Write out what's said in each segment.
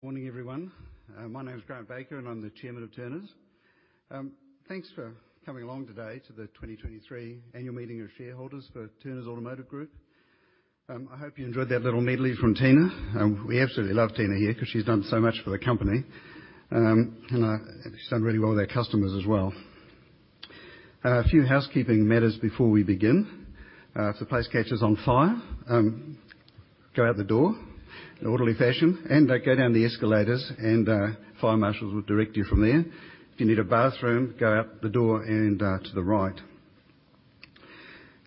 Morning, everyone. My name is Grant Baker, and I'm the chairman of Turners. Thanks for coming along today to the 2023 annual meeting of shareholders for Turners Automotive Group. I hope you enjoyed that little medley from Tina. We absolutely love Tina here because she's done so much for the company. She's done really well with our customers as well. A few housekeeping matters before we begin. If the place catches on fire, go out the door in an orderly fashion, go down the escalators and fire marshals will direct you from there. If you need a bathroom, go out the door and to the right.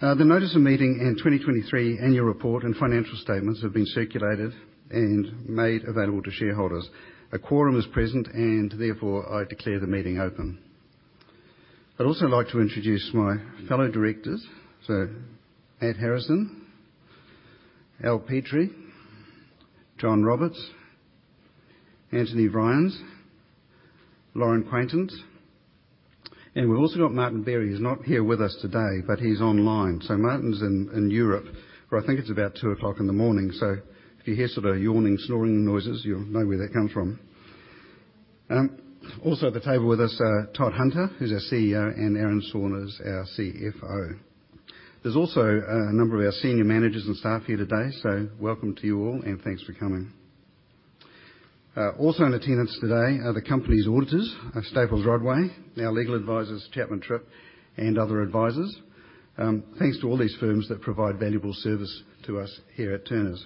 The notice of meeting and 2023 annual report and financial statements have been circulated and made available to shareholders. A quorum is present, therefore, I declare the meeting open. I'd also like to introduce my fellow directors, Matthew Harrison, Alistair Petrie, John Roberts, Antony Vriens, Lauren Quaintance, and we've also got Martin Berry. He's not here with us today, he's online. Martin's in, in Europe, where I think it's about 2:00 in the morning. If you hear sort of yawning, snoring noises, you'll know where that comes from. Also at the table with us are Todd Hunter, who's our CEO, and Aaron Saunders, our CFO. There's also a number of our senior managers and staff here today, welcome to you all, and thanks for coming. Also in attendance today are the company's auditors at Staples Rodway, our legal advisors, Chapman Tripp, and other advisors. Thanks to all these firms that provide valuable service to us here at Turners.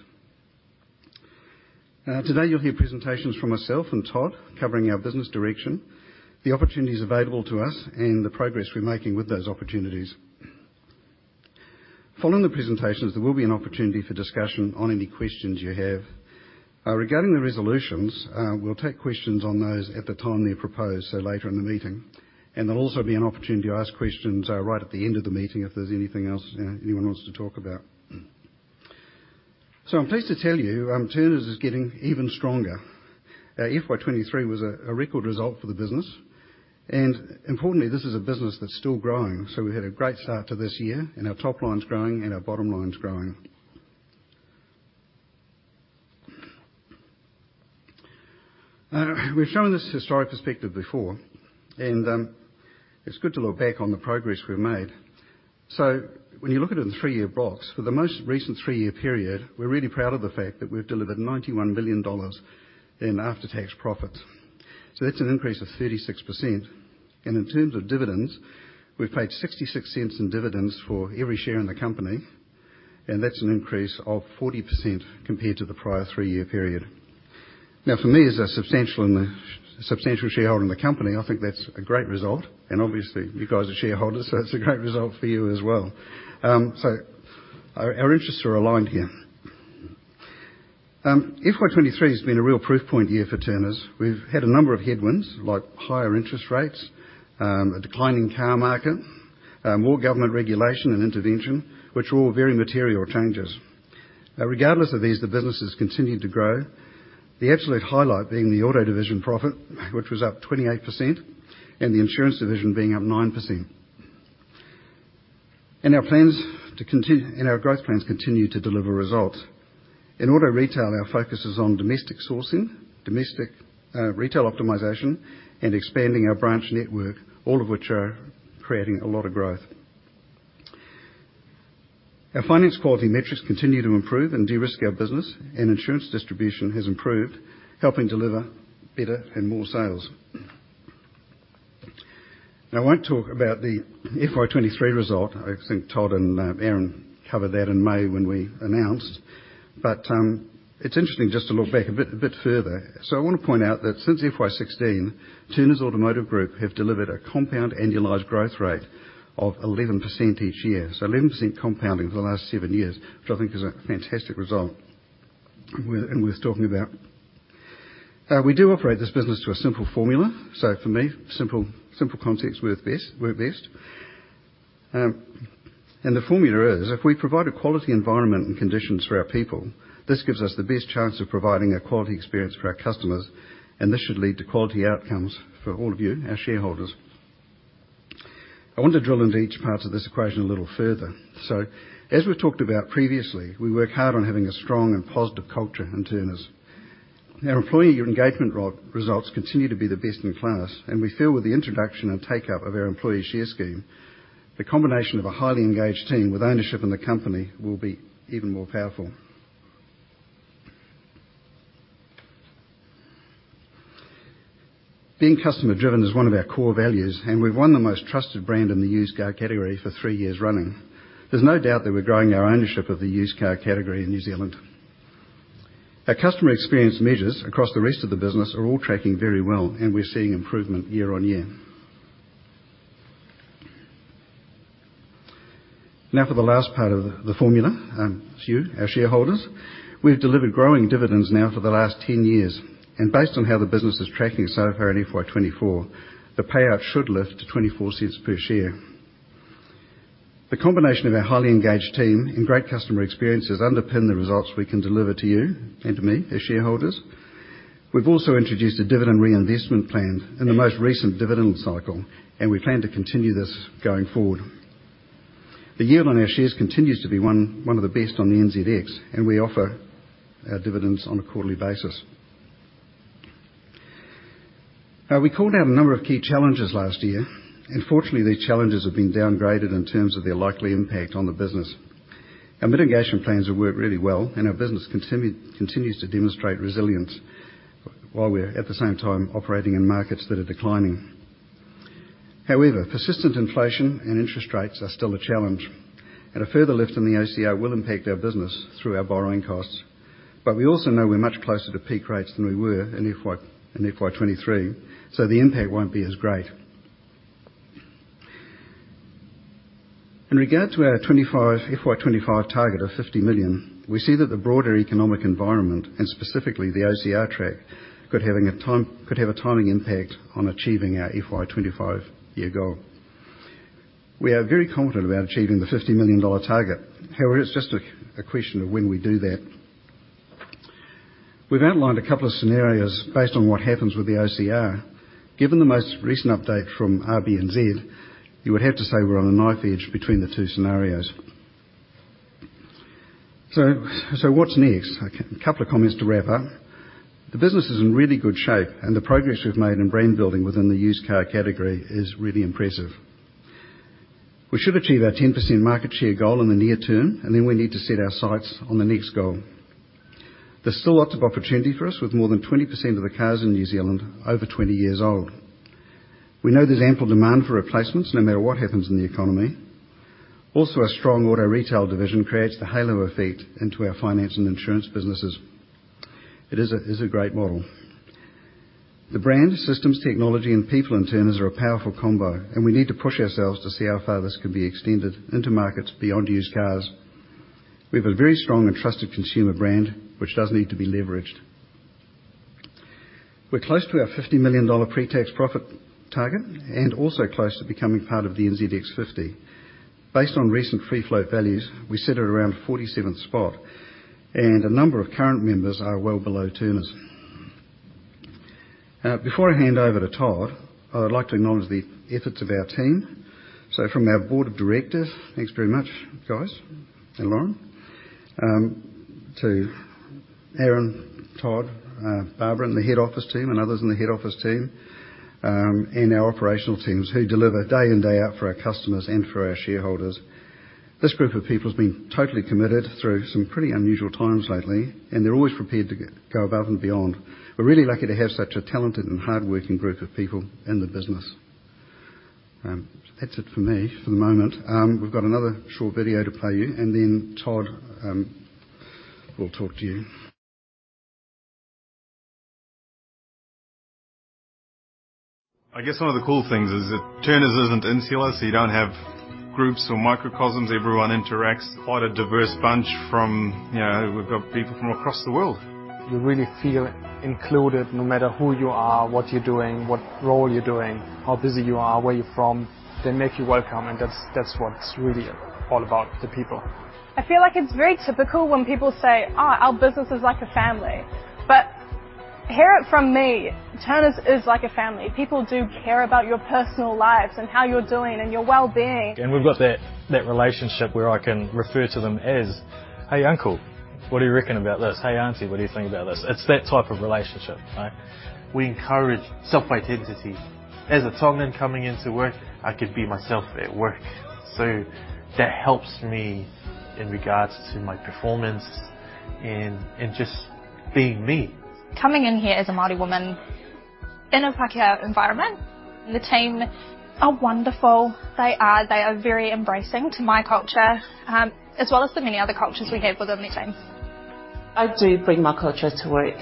Today you'll hear presentations from myself and Todd, covering our business direction, the opportunities available to us, and the progress we're making with those opportunities. Following the presentations, there will be an opportunity for discussion on any questions you have. Regarding the resolutions, we'll take questions on those at the time they're proposed, so later in the meeting. There'll also be an opportunity to ask questions right at the end of the meeting if there's anything else anyone wants to talk about. I'm pleased to tell you, Turners is getting even stronger. FY 2023 was a record result for the business, and importantly, this is a business that's still growing. We had a great start to this year, and our top line's growing, and our bottom line's growing. We've shown this historic perspective before, it's good to look back on the progress we've made. When you look at it in three-year blocks, for the most recent three-year period, we're really proud of the fact that we've delivered 91 million dollars in after-tax profits. That's an increase of 36%, in terms of dividends, we've paid 0.66 in dividends for every share in the company, that's an increase of 40% compared to the prior three-year period. For me, as a substantial shareholder in the company, I think that's a great result, and obviously, you guys are shareholders, so it's a great result for you as well. Our, our interests are aligned here. FY 2023 has been a real proof point year for Turners. We've had a number of headwinds, like higher interest rates, a declining car market, more government regulation and intervention, which are all very material changes. Regardless of these, the business has continued to grow, the absolute highlight being the Auto division profit, which was up 28%, and the Insurance division being up 9%. Our growth plans continue to deliver results. In Auto retail, our focus is on domestic sourcing, domestic, retail optimization, and expanding our branch network, all of which are creating a lot of growth. Our Finance quality metrics continue to improve and de-risk our business, and Insurance distribution has improved, helping deliver better and more sales. Now, I won't talk about the FY 2023 result. I think Todd and Aaron covered that in May when we announced, but it's interesting just to look back a bit, a bit further. I want to point out that since FY 2016, Turners Automotive Group have delivered a compound annualized growth rate of 11% each year. 11% compounding for the last seven years, which I think is a fantastic result, and we're talking about. We do operate this business to a simple formula, so for me, simple, simple context work best, work best. The formula is, if we provide a quality environment and conditions for our people, this gives us the best chance of providing a quality experience for our customers, and this should lead to quality outcomes for all of you, our shareholders. I want to drill into each part of this equation a little further. As we've talked about previously, we work hard on having a strong and positive culture at Turners. Our employee engagement results continue to be the best in class, and we feel with the introduction and take-up of our employee share scheme, the combination of a highly engaged team with ownership in the company will be even more powerful. Being customer-driven is one of our core values, and we've won the most trusted brand in the used car category for three years running. There's no doubt that we're growing our ownership of the used car category in New Zealand. Our customer experience measures across the rest of the business are all tracking very well, and we're seeing improvement year-on-year. For the last part of the formula, you, our shareholders. We've delivered growing dividends now for the last 10 years. Based on how the business is tracking so far in FY 2024, the payout should lift to 0.24 per share. The combination of our highly engaged team and great customer experiences underpin the results we can deliver to you and to me as shareholders. We've also introduced a Dividend Reinvestment Plan in the most recent dividend cycle. We plan to continue this going forward. The yield on our shares continues to be one of the best on the NZX. We offer our dividends on a quarterly basis. We called out a number of key challenges last year. Fortunately, these challenges have been downgraded in terms of their likely impact on the business. Our mitigation plans have worked really well, our business continues to demonstrate resilience, while we're, at the same time, operating in markets that are declining. However, persistent inflation and interest rates are still a challenge, and a further lift in the OCR will impact our business through our borrowing costs. We also know we're much closer to peak rates than we were in FY 2023, so the impact won't be as great. In regard to our FY 2025 target of 50 million, we see that the broader economic environment, and specifically the OCR track, could have a timing impact on achieving our FY 2025 year goal. We are very confident about achieving the 50 million dollar target. However, it's just a question of when we do that. We've outlined a couple of scenarios based on what happens with the OCR. Given the most recent update from RBNZ, you would have to say we're on a knife edge between the two scenarios. What's next? A couple of comments to wrap up. The business is in really good shape, and the progress we've made in brand building within the used car category is really impressive. We should achieve our 10% market share goal in the near term, and then we need to set our sights on the next goal. There's still lots of opportunity for us, with more than 20% of the cars in New Zealand over 20 years old. We know there's ample demand for replacements, no matter what happens in the economy. A strong auto retail division creates the halo effect into our finance and insurance businesses. It is a, is a great model. The brand, systems, technology, and people in Turners are a powerful combo, and we need to push ourselves to see how far this can be extended into markets beyond used cars. We have a very strong and trusted consumer brand, which does need to be leveraged. We're close to our 50 million dollar pre-tax profit target and also close to becoming part of the NZX 50. Based on recent free float values, we sit at around 47th spot, and a number of current members are well below Turners. Before I hand over to Todd, I would like to acknowledge the efforts of our team. From our board of directors, thanks very much, guys and Lauren, to Aaron, Todd, Barbara, and the head office team, and others in the head office team, and our operational teams, who deliver day in, day out for our customers and for our shareholders. This group of people has been totally committed through some pretty unusual times lately, and they're always prepared to go above and beyond. We're really lucky to have such a talented and hardworking group of people in the business. That's it for me for the moment. We've got another short video to play you, and then Todd will talk to you. I guess one of the cool things is that Turners isn't insular, so you don't have groups or microcosms. Everyone interacts. Quite a diverse bunch from... You know, we've got people from across the world. You really feel included, no matter who you are, what you're doing, what role you're doing, how busy you are, where you're from. They make you welcome. That's, that's what it's really all about, the people. I feel like it's very typical when people say, "Ah, our business is like a family," but hear it from me, Turners is like a family. People do care about your personal lives and how you're doing and your well-being. We've got that, that relationship where I can refer to them as, "Hey, Uncle, what do you reckon about this? Hey, Auntie, what do you think about this?" It's that type of relationship, right? We encourage self-identity. As a Tongan coming into work, I could be myself at work, so that helps me in regards to my performance and just being me. Coming in here as a Māori woman in a Pākehā environment, the team are wonderful. They are. They are very embracing to my culture, as well as the many other cultures we have within the team. I do bring my culture to work.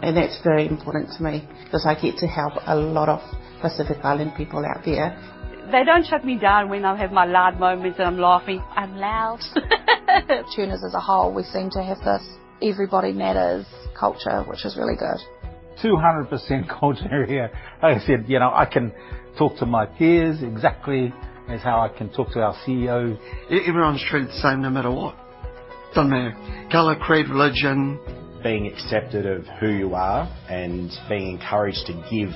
That's very important to me 'cause I get to help a lot of Pacific Island people out there. They don't shut me down when I have my loud moments and I'm laughing. I'm loud. Turners as a whole, we seem to have this everybody matters culture, which is really good. 200% culture here. Like I said, you know, I can talk to my peers exactly as how I can talk to our CEO. Everyone's treated the same, no matter what. Doesn't matter, color, creed, religion. Being accepted of who you are and being encouraged to give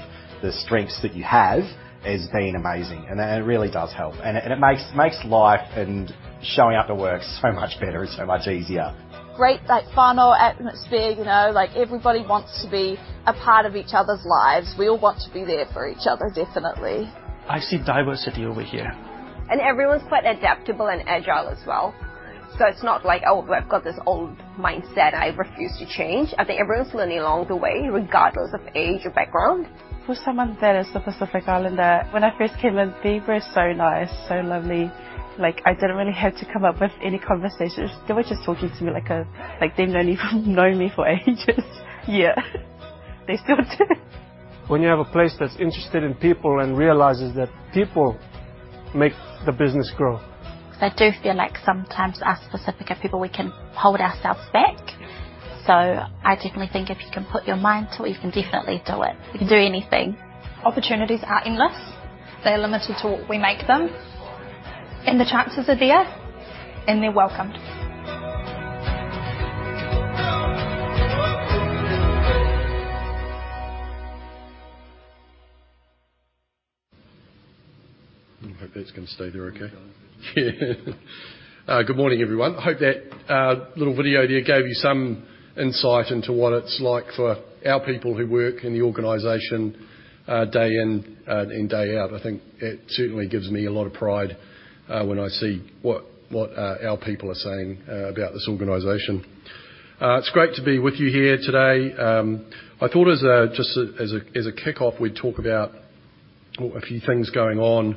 the strengths that you have has been amazing, and it, it really does help, and it, and it makes, makes life and showing up to work so much better and so much easier. Great, like, whānau atmosphere, you know, like, everybody wants to be a part of each other's lives. We all want to be there for each other, definitely. I see diversity over here. Everyone's quite adaptable and agile as well. It's not like, "Oh, well, I've got this old mindset, I refuse to change." I think everyone's learning along the way, regardless of age or background. For someone that is a Pacific Islander, when I first came in, they were so nice, so lovely. Like, I didn't really have to come up with any conversations. They were just talking to me like, like they've known me for ages. Yeah, they still do. When you have a place that's interested in people and realizes that people make the business grow. I do feel like sometimes us Pasifika people, we can hold ourselves back. I definitely think if you can put your mind to it, you can definitely do it. You can do anything. Opportunities are endless. They're limited to what we make them, and the chances are there, and they're welcomed. I hope that's gonna stay there okay? Good morning, everyone. Hope that little video there gave you some insight into what it's like for our people who work in the organization, day in, and day out. I think it certainly gives me a lot of pride, when I see what, what, our people are saying, about this organization. It's great to be with you here today. I thought as a, just as a, as a kickoff, we'd talk about, well, a few things going on,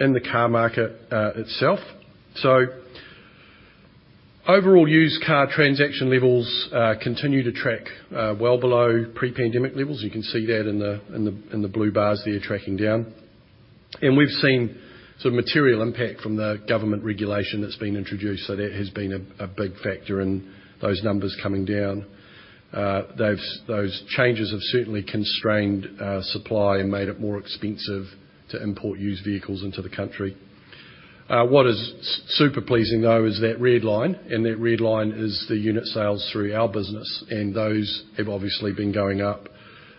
in the car market, itself. Overall used car transaction levels, continue to track, well below pre-pandemic levels. You can see that in the, in the, in the blue bars there, tracking down. We've seen some material impact from the government regulation that's been introduced, so that has been a big factor in those numbers coming down. Those, those changes have certainly constrained supply and made it more expensive to import used vehicles into the country. What is super pleasing, though, is that red line, and that red line is the unit sales through our business, and those have obviously been going up.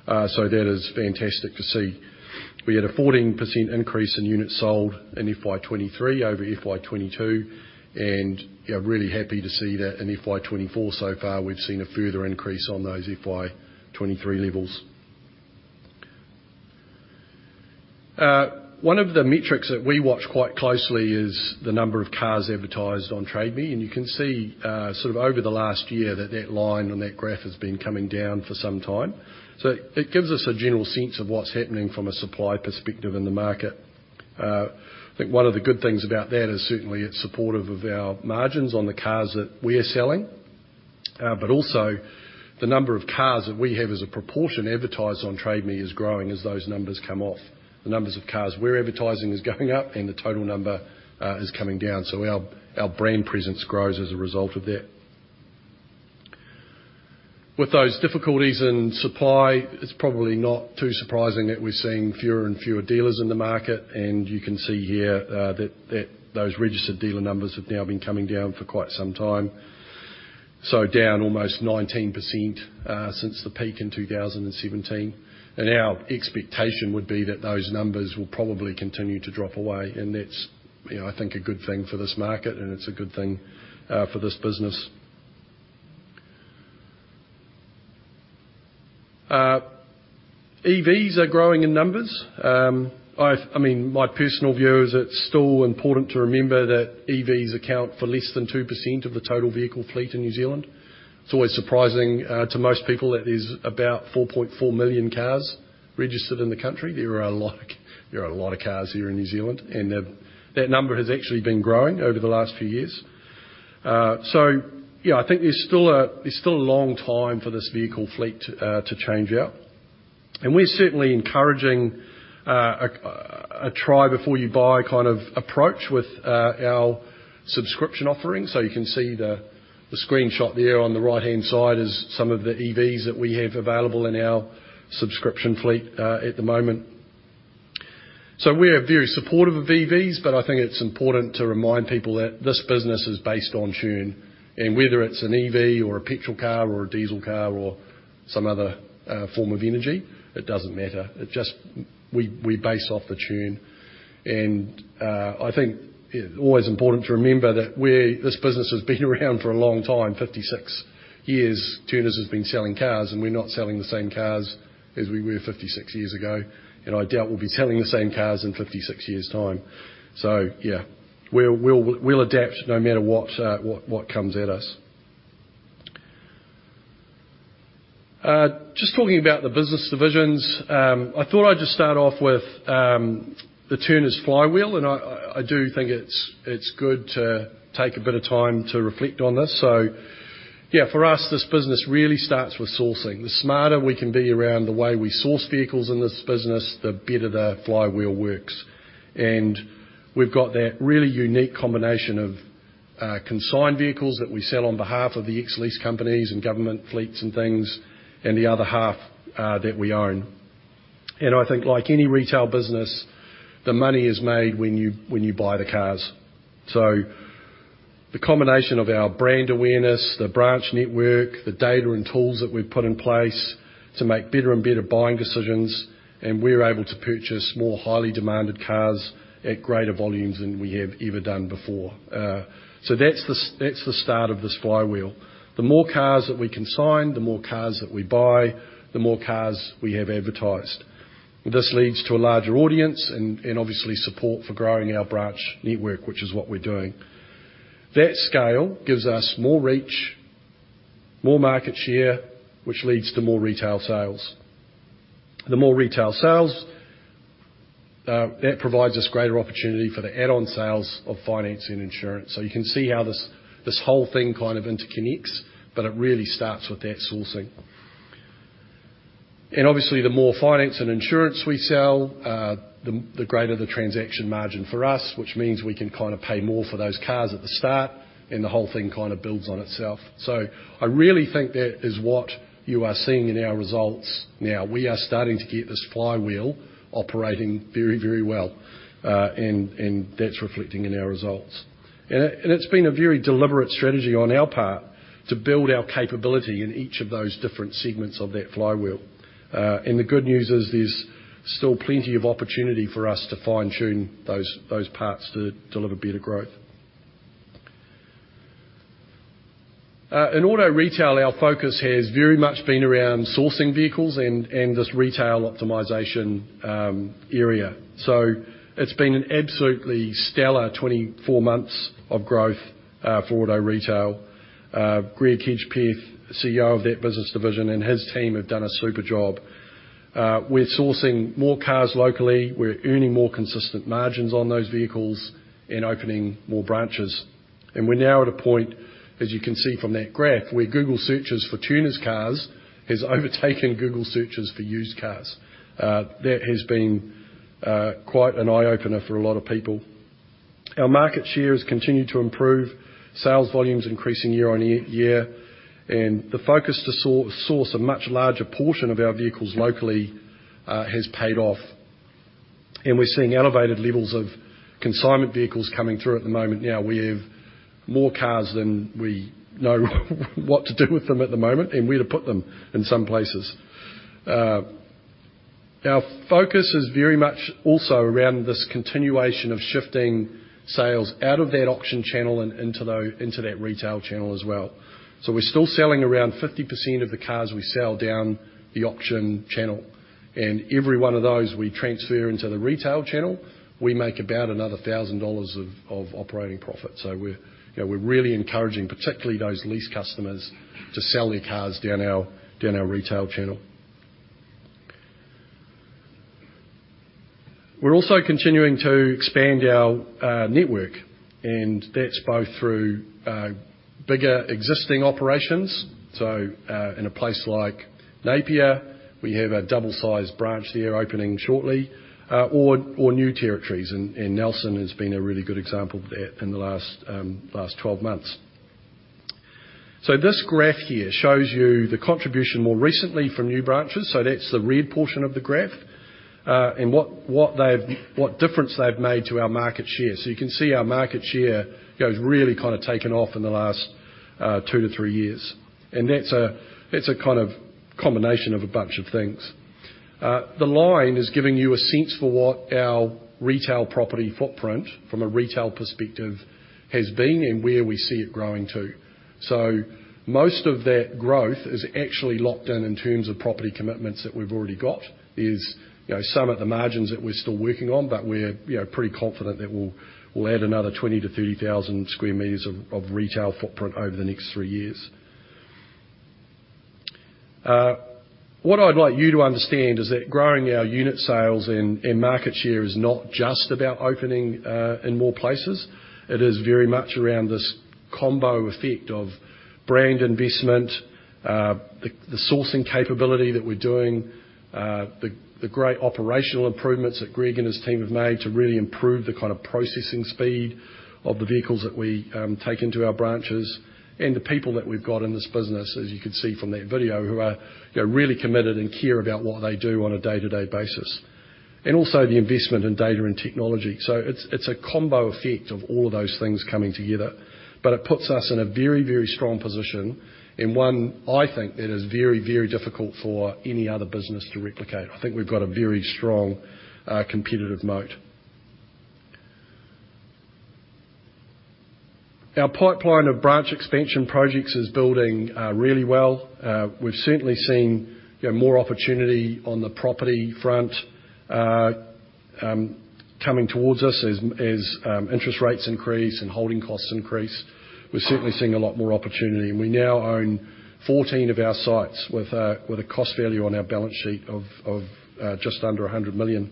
That is fantastic to see. We had a 14% increase in units sold in FY 2023 over FY 2022, really happy to see that in FY 2024 so far, we've seen a further increase on those FY 2023 levels. One of the metrics that we watch quite closely is the number of cars advertised on Trade Me, you can see sort of over the last year, that that line on that graph has been coming down for some time. It gives us a general sense of what's happening from a supply perspective in the market. I think one of the good things about that is certainly it's supportive of our margins on the cars that we're selling, also the number of cars that we have as a proportion advertised on Trade Me is growing as those numbers come off. The numbers of cars we're advertising is going up and the total number is coming down, our, our brand presence grows as a result of that. With those difficulties in supply, it's probably not too surprising that we're seeing fewer and fewer dealers in the market. You can see here that those registered dealer numbers have now been coming down for quite some time. Down almost 19% since the peak in 2017. Our expectation would be that those numbers will probably continue to drop away, and that's, you know, I think, a good thing for this market, and it's a good thing for this business. EVs are growing in numbers. I mean, my personal view is it's still important to remember that EVs account for less than 2% of the total vehicle fleet in New Zealand. It's always surprising to most people that there's about 4.4 million cars registered in the country. There are a lot there are a lot of cars here in New Zealand, and that, that number has actually been growing over the last few years. Yeah, I think there's still a, there's still a long time for this vehicle fleet to change out, and we're certainly encouraging a, a try before you buy kind of approach with our subscription offerings. You can see the, the screenshot there on the right-hand side is some of the EVs that we have available in our subscription fleet at the moment. We are very supportive of EVs, but I think it's important to remind people that this business is based on churn, and whether it's an EV or a petrol car or a diesel car or some other form of energy, it doesn't matter. It just- we, we base off the churn. I think it's always important to remember that we're- this business has been around for a long time. 56 years, Turners has been selling cars, and we're not selling the same cars as we were 56 years ago, and I doubt we'll be selling the same cars in 56 years time. Yeah, we'll, we'll adapt no matter what, what, what comes at us. Just talking about the business divisions, I thought I'd just start off with the Turners flywheel, and I, I, I do think it's, it's good to take a bit of time to reflect on this. Yeah, for us, this business really starts with sourcing. The smarter we can be around the way we source vehicles in this business, the better the flywheel works. We've got that really unique combination of consigned vehicles that we sell on behalf of the ex-lease companies and government fleets and things, and the other half that we own. I think like any retail business, the money is made when you, when you buy the cars. The combination of our brand awareness, the branch network, the data and tools that we've put in place to make better and better buying decisions, and we're able to purchase more highly demanded cars at greater volumes than we have ever done before. That's the start of this flywheel. The more cars that we consign, the more cars that we buy, the more cars we have advertised. This leads to a larger audience and, and obviously, support for growing our branch network, which is what we're doing. That scale gives us more reach, more market share, which leads to more retail sales. The more retail sales, that provides us greater opportunity for the add-on sales of financing and insurance. You can see how this, this whole thing kind of interconnects, but it really starts with that sourcing. Obviously, the more finance and insurance we sell, the greater the transaction margin for us, which means we can kind of pay more for those cars at the start, and the whole thing kind of builds on itself. I really think that is what you are seeing in our results now. We are starting to get this flywheel operating very, very well, and that's reflecting in our results. It, and it's been a very deliberate strategy on our part to build our capability in each of those different segments of that flywheel. And the good news is there's still plenty of opportunity for us to fine-tune those, those parts to deliver better growth. In Auto Retail, our focus has very much been around sourcing vehicles and, and this retail optimization area. It's been an absolutely stellar 24 months of growth for Auto Retail. Greg Hedgepeth, CEO of that business division, and his team have done a super job. We're sourcing more cars locally, we're earning more consistent margins on those vehicles, and opening more branches. We're now at a point, as you can see from that graph, where Google searches for Turners Cars has overtaken Google searches for used cars. That has been quite an eye-opener for a lot of people. Our market share has continued to improve, sales volumes increasing year on year, the focus to source a much larger portion of our vehicles locally has paid off. We're seeing elevated levels of consignment vehicles coming through at the moment. We have more cars than we know what to do with them at the moment, and where to put them in some places. Our focus is very much also around this continuation of shifting sales out of that auction channel and into that retail channel as well. We're still selling around 50% of the cars we sell down the auction channel, and every one of those we transfer into the retail channel, we make about another 1,000 dollars of operating profit. We're, you know, we're really encouraging, particularly those lease customers, to sell their cars down our, down our retail channel. We're also continuing to expand our network, and that's both through bigger existing operations. In a place like Napier, we have a double-sized branch there opening shortly, or new territories, and Nelson has been a really good example of that in the last 12 months. This graph here shows you the contribution more recently from new branches, so that's the red portion of the graph, and what difference they've made to our market share. You can see our market share has really kind of taken off in the last two to three years, and that's a, that's a kind of combination of a bunch of things. The line is giving you a sense for what our retail property footprint, from a retail perspective, has been and where we see it growing to. Most of that growth is actually locked in, in terms of property commitments that we've already got, is, you know, some at the margins that we're still working on, but we're, you know, pretty confident that we'll, we'll add another 20,000-30,000 square meters of, of retail footprint over the next three years. What I'd like you to understand is that growing our unit sales and, and market share is not just about opening in more places. It is very much around this combo effect of brand investment, the sourcing capability that we're doing, the great operational improvements that Greg and his team have made to really improve the kind of processing speed of the vehicles that we take into our branches, and the people that we've got in this business, as you can see from that video, who are, you know, really committed and care about what they do on a day-to-day basis. Also the investment in data and technology. It's a combo effect of all of those things coming together, but it puts us in a very, very strong position, and one, I think, that is very, very difficult for any other business to replicate. We've got a very strong competitive moat. Our pipeline of branch expansion projects is building, really well. We've certainly seen, you know, more opportunity on the property front, coming towards us as, as interest rates increase and holding costs increase. We're certainly seeing a lot more opportunity. We now own 14 of our sites with a, with a cost value on our balance sheet of, just under 100 million.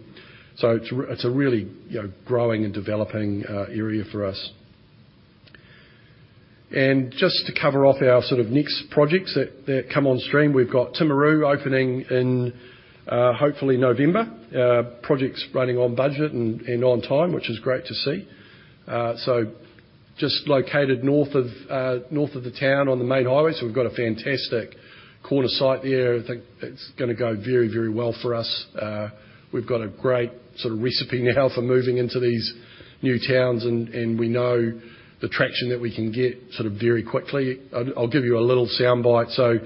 It's a re- it's a really, you know, growing and developing area for us. Just to cover off our sort of next projects that, that come on stream, we've got Timaru opening in, hopefully November. Project's running on budget and, and on time, which is great to see. Just located north of north of the town on the main highway, so we've got a fantastic corner site there. I think it's gonna go very, very well for us. We've got a great sort of recipe now for moving into these new towns, and we know the traction that we can get sort of very quickly. I'll give you a little soundbite.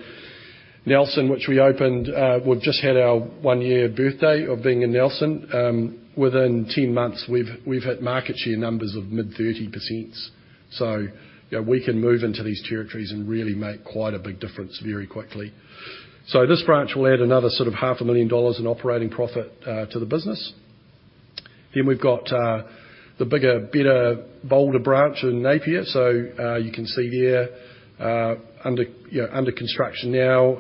Nelson, which we opened, we've just had our one-year birthday of being in Nelson. Within 10 months, we've hit market share numbers of mid-30%. You know, we can move into these territories and really make quite a big difference very quickly. This branch will add another sort of 500,000 dollars in operating profit to the business. We've got the bigger, better, bolder branch in Napier. You can see there, under, you know, under construction now,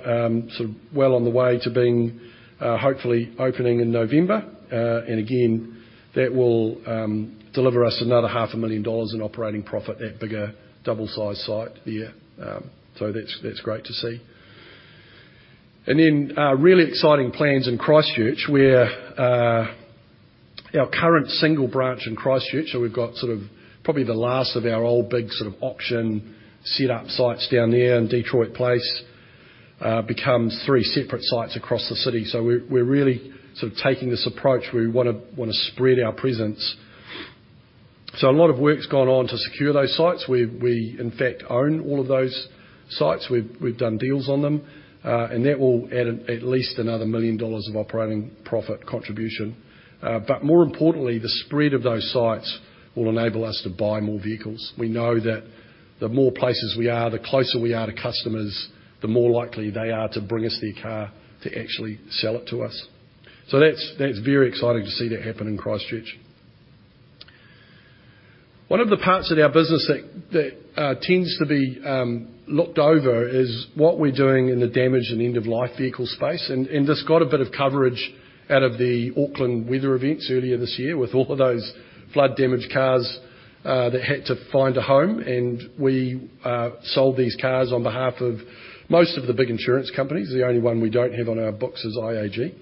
sort of well on the way to being hopefully opening in November. Again, that will deliver us another 500,000 dollars in operating profit, that bigger, double-sized site there. That's, that's great to see. Really exciting plans in Christchurch, where our current single branch in Christchurch, we've got sort of probably the last of our old, big, sort of auction setup sites down there in Detroit Place, becomes three separate sites across the city. We're, we're really sort of taking this approach where we wanna, wanna spread our presence. A lot of work's gone on to secure those sites. We, we, in fact, own all of those sites. We've, we've done deals on them, that will add at least another 1 million dollars of operating profit contribution. More importantly, the spread of those sites will enable us to buy more vehicles. We know that the more places we are, the closer we are to customers, the more likely they are to bring us their car to actually sell it to us. So that's, that's very exciting to see that happen in Christchurch. One of the parts of our business that, that tends to be looked over is what we're doing in the damaged and end-of-life vehicle space, and, and this got a bit of coverage out of the Auckland weather events earlier this year, with all of those flood-damaged cars that had to find a home, and we sold these cars on behalf of most of the big insurance companies. The only one we don't have on our books is IAG.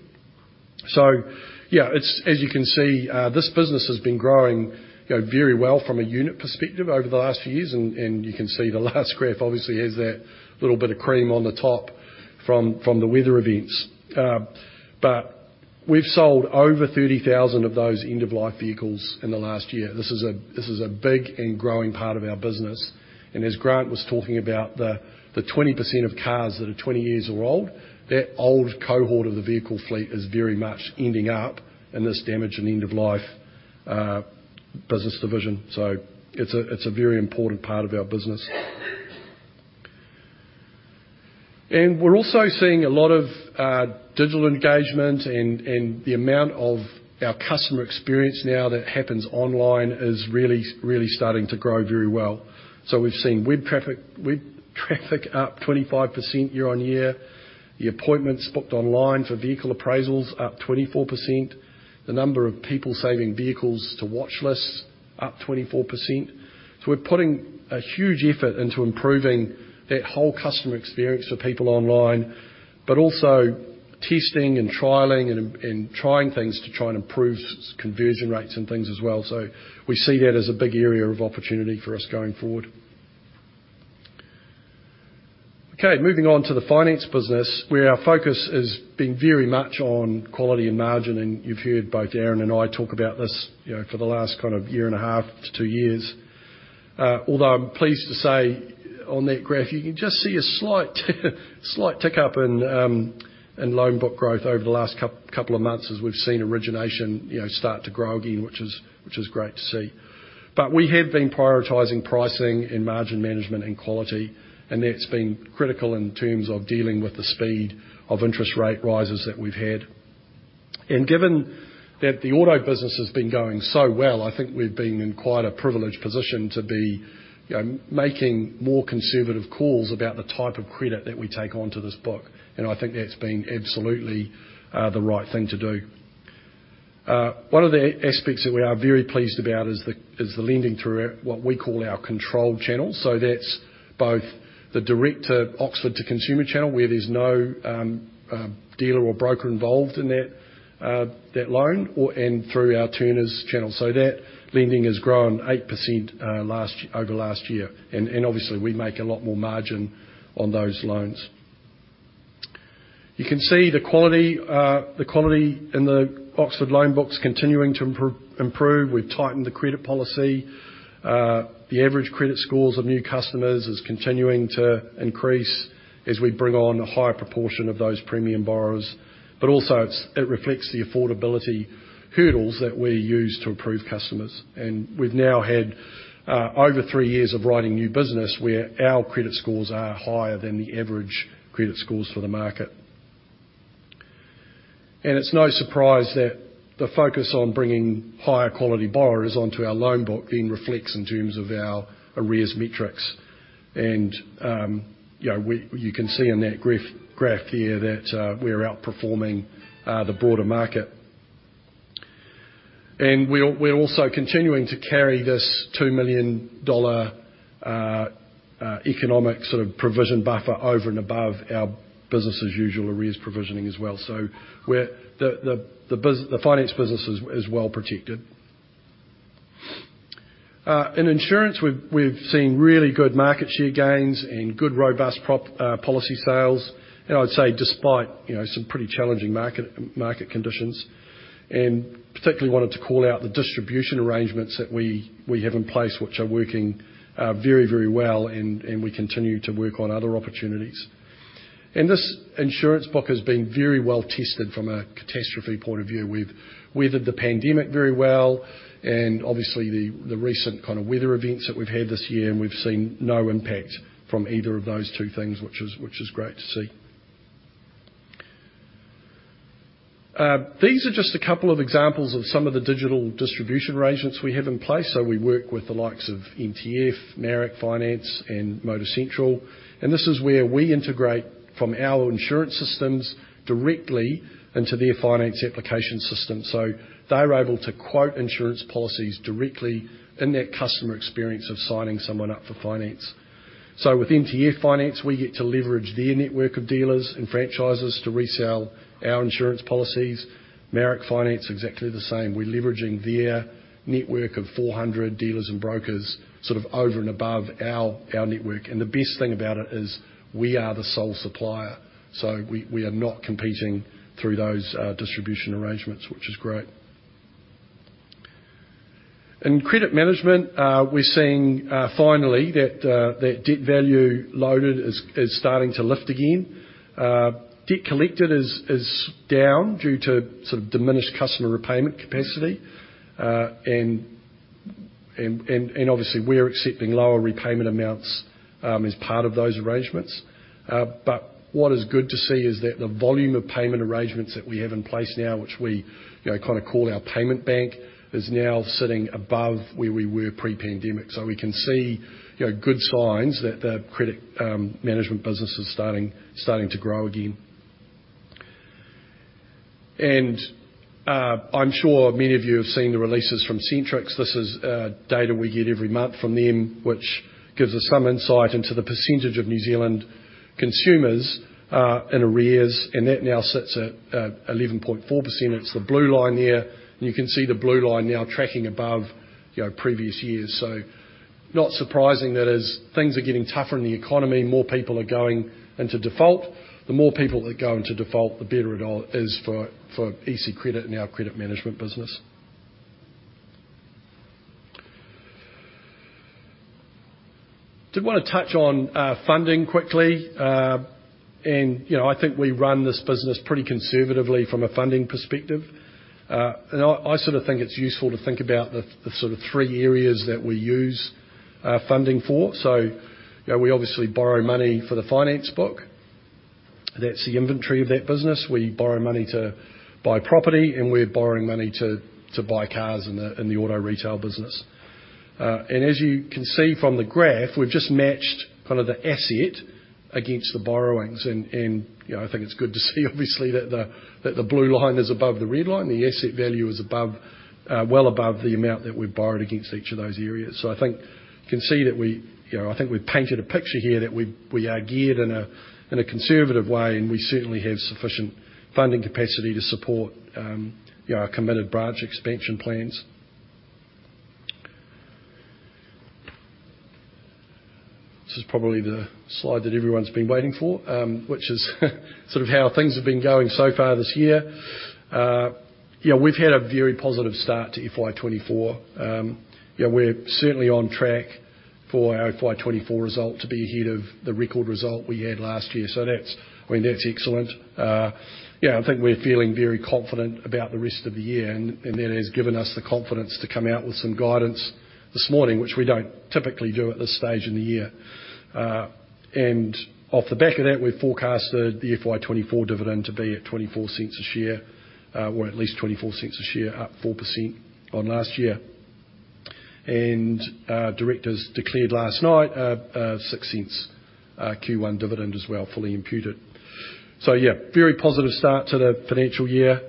Yeah, it's-- as you can see, this business has been growing, you know, very well from a unit perspective over the last few years, and, and you can see the last graph obviously has that little bit of cream on the top from, from the weather events. We've sold over 30,000 of those end-of-life vehicles in the last year. This is a, this is a big and growing part of our business, and as Grant was talking about, the, the 20% of cars that are 20 years or old, that old cohort of the vehicle fleet is very much ending up in this damage and end-of-life business division. It's a, it's a very important part of our business. We're also seeing a lot of digital engagement and, and the amount of our customer experience now that happens online is really, really starting to grow very well. We've seen web traffic, web traffic up 25% year-over-year. The appointments booked online for vehicle appraisals are up 24%. The number of people saving vehicles to watch lists up 24%. We're putting a huge effort into improving that whole customer experience for people online, but also testing and trialing and, and trying things to try and improve conversion rates and things as well. We see that as a big area of opportunity for us going forward. Okay, moving on to the finance business, where our focus has been very much on quality and margin, and you've heard both Aaron and I talk about this, you know, for the last kind of 1.5-2 years. Although I'm pleased to say, on that graph, you can just see a slight slight tick-up in loan book growth over the last couple of months as we've seen origination, you know, start to grow again, which is, which is great to see. We have been prioritizing pricing and margin management and quality, and that's been critical in terms of dealing with the speed of interest rate rises that we've had. Given that the auto business has been going so well, I think we've been in quite a privileged position to be making more conservative calls about the type of credit that we take onto this book, and I think that's been absolutely the right thing to do. One of the aspects that we are very pleased about is the lending through our, what we call our controlled channel. That's both the direct to Oxford to consumer channel, where there's no dealer or broker involved in that loan or, and through our Turners channel. That lending has grown 8%, last year, over last year, and obviously, we make a lot more margin on those loans. You can see the quality, the quality in the Oxford loan book is continuing to improve. We've tightened the credit policy. The average credit scores of new customers is continuing to increase as we bring on a higher proportion of those premium borrowers, but also, it's, it reflects the affordability hurdles that we use to approve customers. We've now had over three years of writing new business, where our credit scores are higher than the average credit scores for the market. It's no surprise that the focus on bringing higher quality borrowers onto our loan book then reflects in terms of our arrears metrics, and, you know, we-- you can see in that graph, graph here that we're outperforming the broader market. We're, we're also continuing to carry this 2 million dollar economic sort of provision buffer over and above our business as usual arrears provisioning as well. The finance business is, is well protected. In insurance, we've, we've seen really good market share gains and good, robust policy sales, and I'd say despite, you know, some pretty challenging market, market conditions, and particularly wanted to call out the distribution arrangements that we, we have in place, which are working, very, very well, and, and we continue to work on other opportunities. This insurance book has been very well-tested from a catastrophe point of view. We've weathered the pandemic very well, and obviously the, the recent kind of weather events that we've had this year, and we've seen no impact from either of those two things, which is, which is great to see. These are just a couple of examples of some of the digital distribution arrangements we have in place. We work with the likes of MTF, Marac Finance, and Motorcentral, and this is where we integrate from our insurance systems directly into their finance application system. They're able to quote insurance policies directly in that customer experience of signing someone up for finance. With MTF Finance, we get to leverage their network of dealers and franchises to resell our insurance policies. Marac Finance, exactly the same. We're leveraging their network of 400 dealers and brokers, sort of over and above our, our network. The best thing about it is we are the sole supplier, so we, we are not competing through those distribution arrangements, which is great. In credit management, we're seeing finally that debt value loaded is, is starting to lift again. Debt collected is, is down due to sort of diminished customer repayment capacity. And, and, and obviously, we're accepting lower repayment amounts as part of those arrangements. What is good to see is that the volume of payment arrangements that we have in place now, which we, you know, kind of call our payment bank, is now sitting above where we were pre-pandemic. We can see, you know, good signs that the credit management business is starting, starting to grow again. I'm sure many of you have seen the releases from Centrix. This is data we get every month from them, which gives us some insight into the percentage of New Zealand consumers in arrears, and that now sits at 11.4%. It's the blue line there. You can see the blue line now tracking above, you know, previous years. Not surprising that as things are getting tougher in the economy, more people are going into default. The more people that go into default, the better it all is for, for EC Credit and our credit management business. I did wanna touch on funding quickly. And, you know, I think we run this business pretty conservatively from a funding perspective. And I, I sort of think it's useful to think about the, the sort of three areas that we use funding for. You know, we obviously borrow money for the finance book. That's the inventory of that business. We borrow money to buy property, and we're borrowing money to, to buy cars in the, in the auto retail business. And as you can see from the graph, we've just matched kind of the asset against the borrowings. You know, I think it's good to see obviously, that the, that the blue line is above the red line. The asset value is above, well above the amount that we borrowed against each of those areas. I think you can see that we You know, I think we've painted a picture here that we, we are geared in a, in a conservative way, and we certainly have sufficient funding capacity to support, you know, our committed branch expansion plans. This is probably the slide that everyone's been waiting for, which is, sort of how things have been going so far this year. You know, we've had a very positive start to FY 2024. You know, we're certainly on track for our FY 2024 result to be ahead of the record result we had last year. That's, I mean, that's excellent. Yeah, I think we're feeling very confident about the rest of the year, and that has given us the confidence to come out with some guidance this morning, which we don't typically do at this stage in the year. Off the back of that, we've forecasted the FY 2024 dividend to be at 0.24 a share, or at least 0.24 a share, up 4% on last year. Directors declared last night a 0.06 Q1 dividend as well, fully imputed. Yeah, very positive start to the financial year.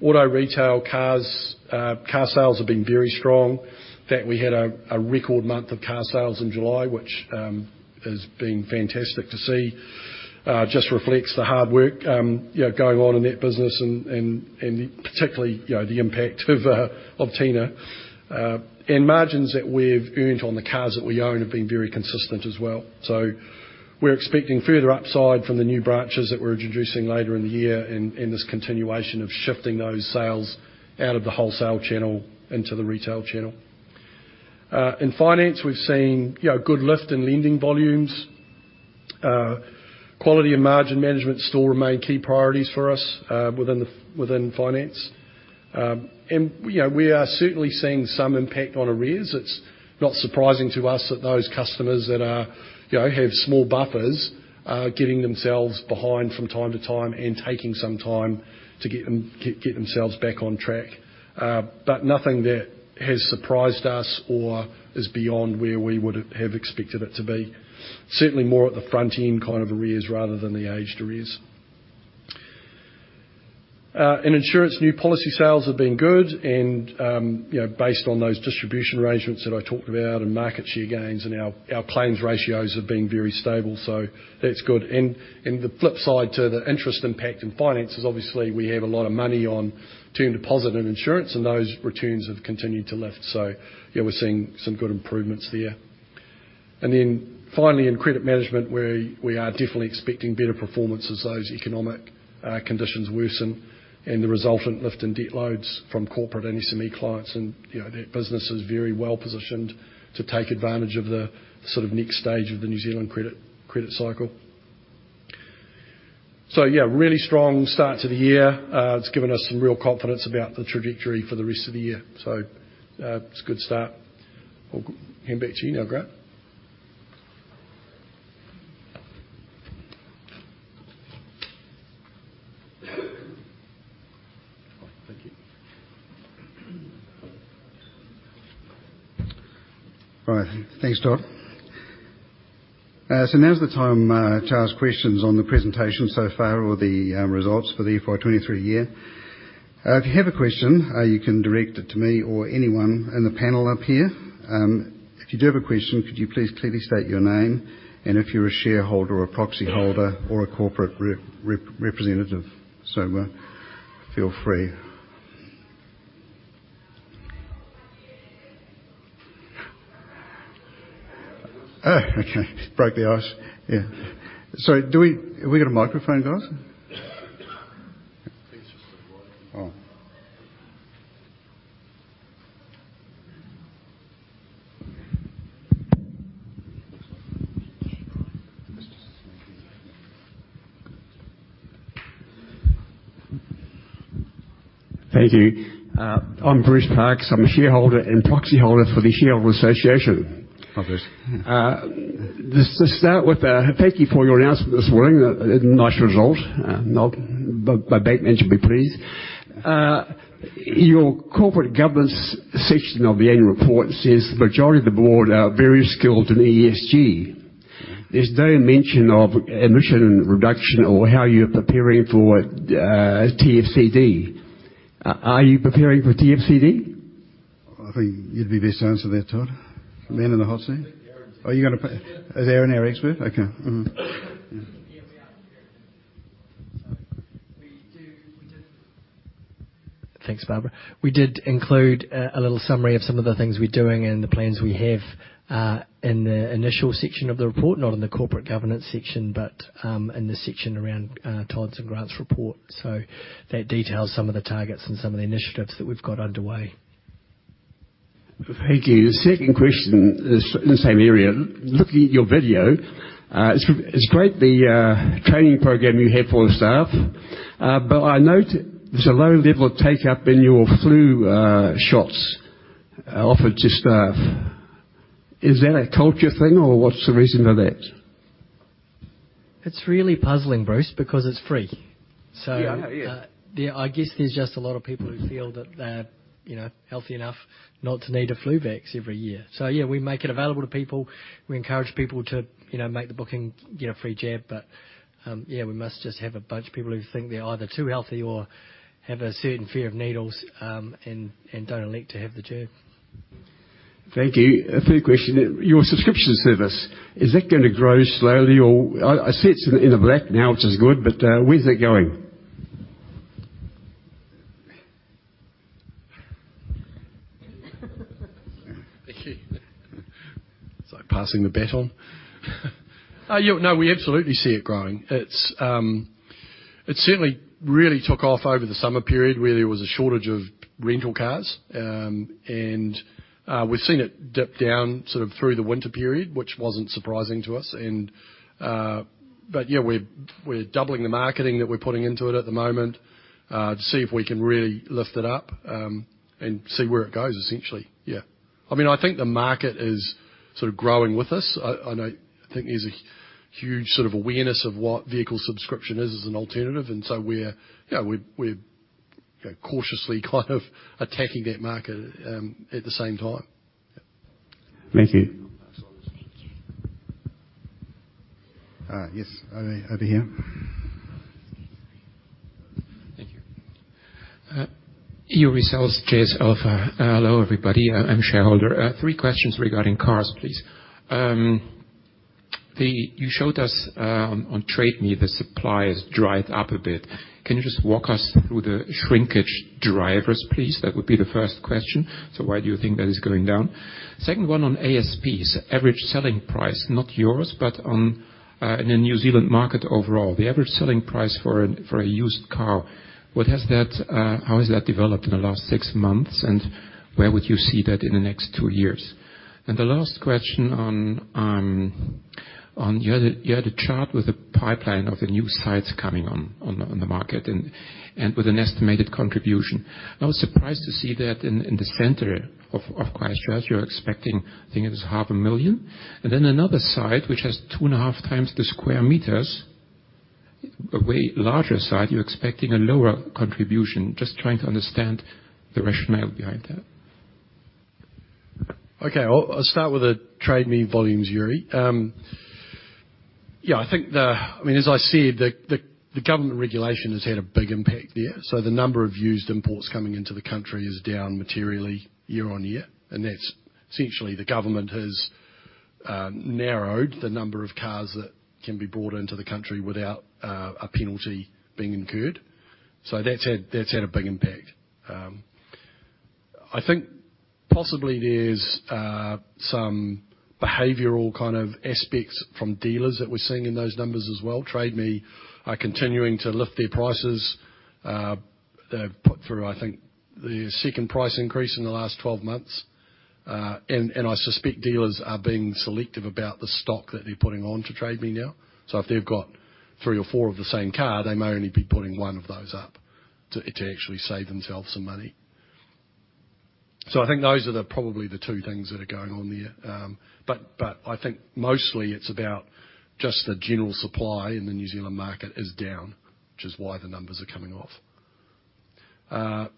Auto retail cars, car sales have been very strong. In fact, we had a record month of car sales in July, which has been fantastic to see. Just reflects the hard work, you know, going on in that business and, and, and particularly, you know, the impact of Tina. Margins that we've earned on the cars that we own have been very consistent as well. We're expecting further upside from the new branches that we're introducing later in the year and, and this continuation of shifting those sales out of the wholesale channel into the retail channel. In finance, we've seen, you know, good lift in lending volumes. Quality and margin management still remain key priorities for us, within the, within finance. You know, we are certainly seeing some impact on arrears. It's not surprising to us that those customers that are, you know, have small buffers, are getting themselves behind from time to time and taking some time to get them, get themselves back on track. Nothing that has surprised us or is beyond where we would have expected it to be. Certainly, more at the front end kind of arrears rather than the aged arrears. In insurance, new policy sales have been good and, you know, based on those distribution arrangements that I talked about and market share gains, and our claims ratios have been very stable, so that's good. The flip side to the interest impact in finance is obviously we have a lot of money on term deposit and insurance, and those returns have continued to lift. Yeah, we're seeing some good improvements there. Finally, in credit management, where we are definitely expecting better performance as those economic conditions worsen and the resultant lift in debt loads from corporate and SME clients, and, you know, that business is very well positioned to take advantage of the sort of next stage of the New Zealand credit cycle. Yeah, really strong start to the year. It's given us some real confidence about the trajectory for the rest of the year, so it's a good start. I'll hand back to you now, Grant. Thank you. All right. Thanks, Todd. Now's the time to ask questions on the presentation so far or the results for the FY 2023 year. If you have a question, you can direct it to me or anyone in the panel up here. If you do have a question, could you please clearly state your name, and if you're a shareholder, a proxy holder, or a corporate representative? Feel free. Ah, okay, broke the ice. Yeah. Do we, have we got a microphone, guys? I think it's just over there. Oh. Thank you. I'm Bruce Parkes. I'm a shareholder and proxy holder for the New Zealand Shareholders' Association. Hi, Bruce. Just to start with, thank you for your announcement this morning. A nice result. Not, my bank mentioned me, please. Your corporate governance section of the annual report says the majority of the board are very skilled in ESG. There's no mention of emission reduction or how you're preparing for TCFD. Are you preparing for TCFD? I think you'd be best to answer that, Todd. Man in the hot seat. Oh, you gotta Is Aaron our expert? Okay. Mm-hmm. Yeah, we are. We do, we did. Thanks, Baker. We did include a little summary of some of the things we're doing and the plans we have in the initial section of the report, not in the corporate governance section, but in the section around Todd's and Grant's report. That details some of the targets and some of the initiatives that we've got underway. Thank you. The second question is in the same area. Looking at your video, it's, it's great, the training program you have for the staff, but I note there's a low level of take up in your flu shots offered to staff. Is that a culture thing, or what's the reason for that? It's really puzzling, Bruce, because it's free. Yeah, I know. Yeah. Yeah, I guess there's just a lot of people who feel that they're, you know, healthy enough not to need a flu vax every year. Yeah, we make it available to people. We encourage people to, you know, make the booking, get a free jab. Yeah, we must just have a bunch of people who think they're either too healthy or have a certain fear of needles, and, and don't elect to have the jab. Thank you. Third question, your subscription service, is that gonna grow slowly or? I, I see it's in, in the black now, which is good, but, where's that going? Thank you. It's like passing the bat on. Yeah, no, we absolutely see it growing. It's, it certainly really took off over the summer period, where there was a shortage of rental cars. We've seen it dip down sort of through the winter period, which wasn't surprising to us. Yeah, we're, we're doubling the marketing that we're putting into it at the moment, to see if we can really lift it up, and see where it goes, essentially. Yeah. I mean, I think the market is sort of growing with us. I, I know, I think there's a huge sort of awareness of what vehicle subscription is as an alternative, and so we're, you know, we're, we're cautiously kind of attacking that market, at the same time. Yeah. Thank you. Yes, over, over here. Thank you. Yuri Saly, Salt Funds. Hello, everybody. I'm shareholder. Three questions regarding cars, please. You showed us on Trade Me, the supply has dried up a bit. Can you just walk us through the shrinkage drivers, please? That would be the first question. Why do you think that is going down? Second one on ASPs, average selling price, not yours, but in the New Zealand market overall, the average selling price for a used car, what has that, how has that developed in the last six months, and where would you see that in the next two years? The last question on you had a, you had a chart with a pipeline of the new sites coming on the market and with an estimated contribution. I was surprised to see that in, in the center of, of Christchurch, you're expecting, I think it is 500,000, and then another site, which has two and a half times the square meters, a way larger site, you're expecting a lower contribution. Just trying to understand the rationale behind that. Okay, I'll, I'll start with the Trade Me volumes, Yuri. Yeah, I think the... I mean, as I said, the, the, the government regulation has had a big impact there. The number of used imports coming into the country is down materially year-on-year, and that's essentially the government has narrowed the number of cars that can be brought into the country without a penalty being incurred. That's had, that's had a big impact. I think possibly there's some behavioral kind of aspects from dealers that we're seeing in those numbers as well. Trade Me are continuing to lift their prices. They've put through, I think, the second price increase in the last 12 months. And I suspect dealers are being selective about the stock that they're putting on to Trade Me now. If they've got 3 or 4 of the same car, they may only be putting one of those up to, to actually save themselves some money. I think those are the, probably the 2 things that are going on there. I think mostly it's about just the general supply in the New Zealand market is down, which is why the numbers are coming off.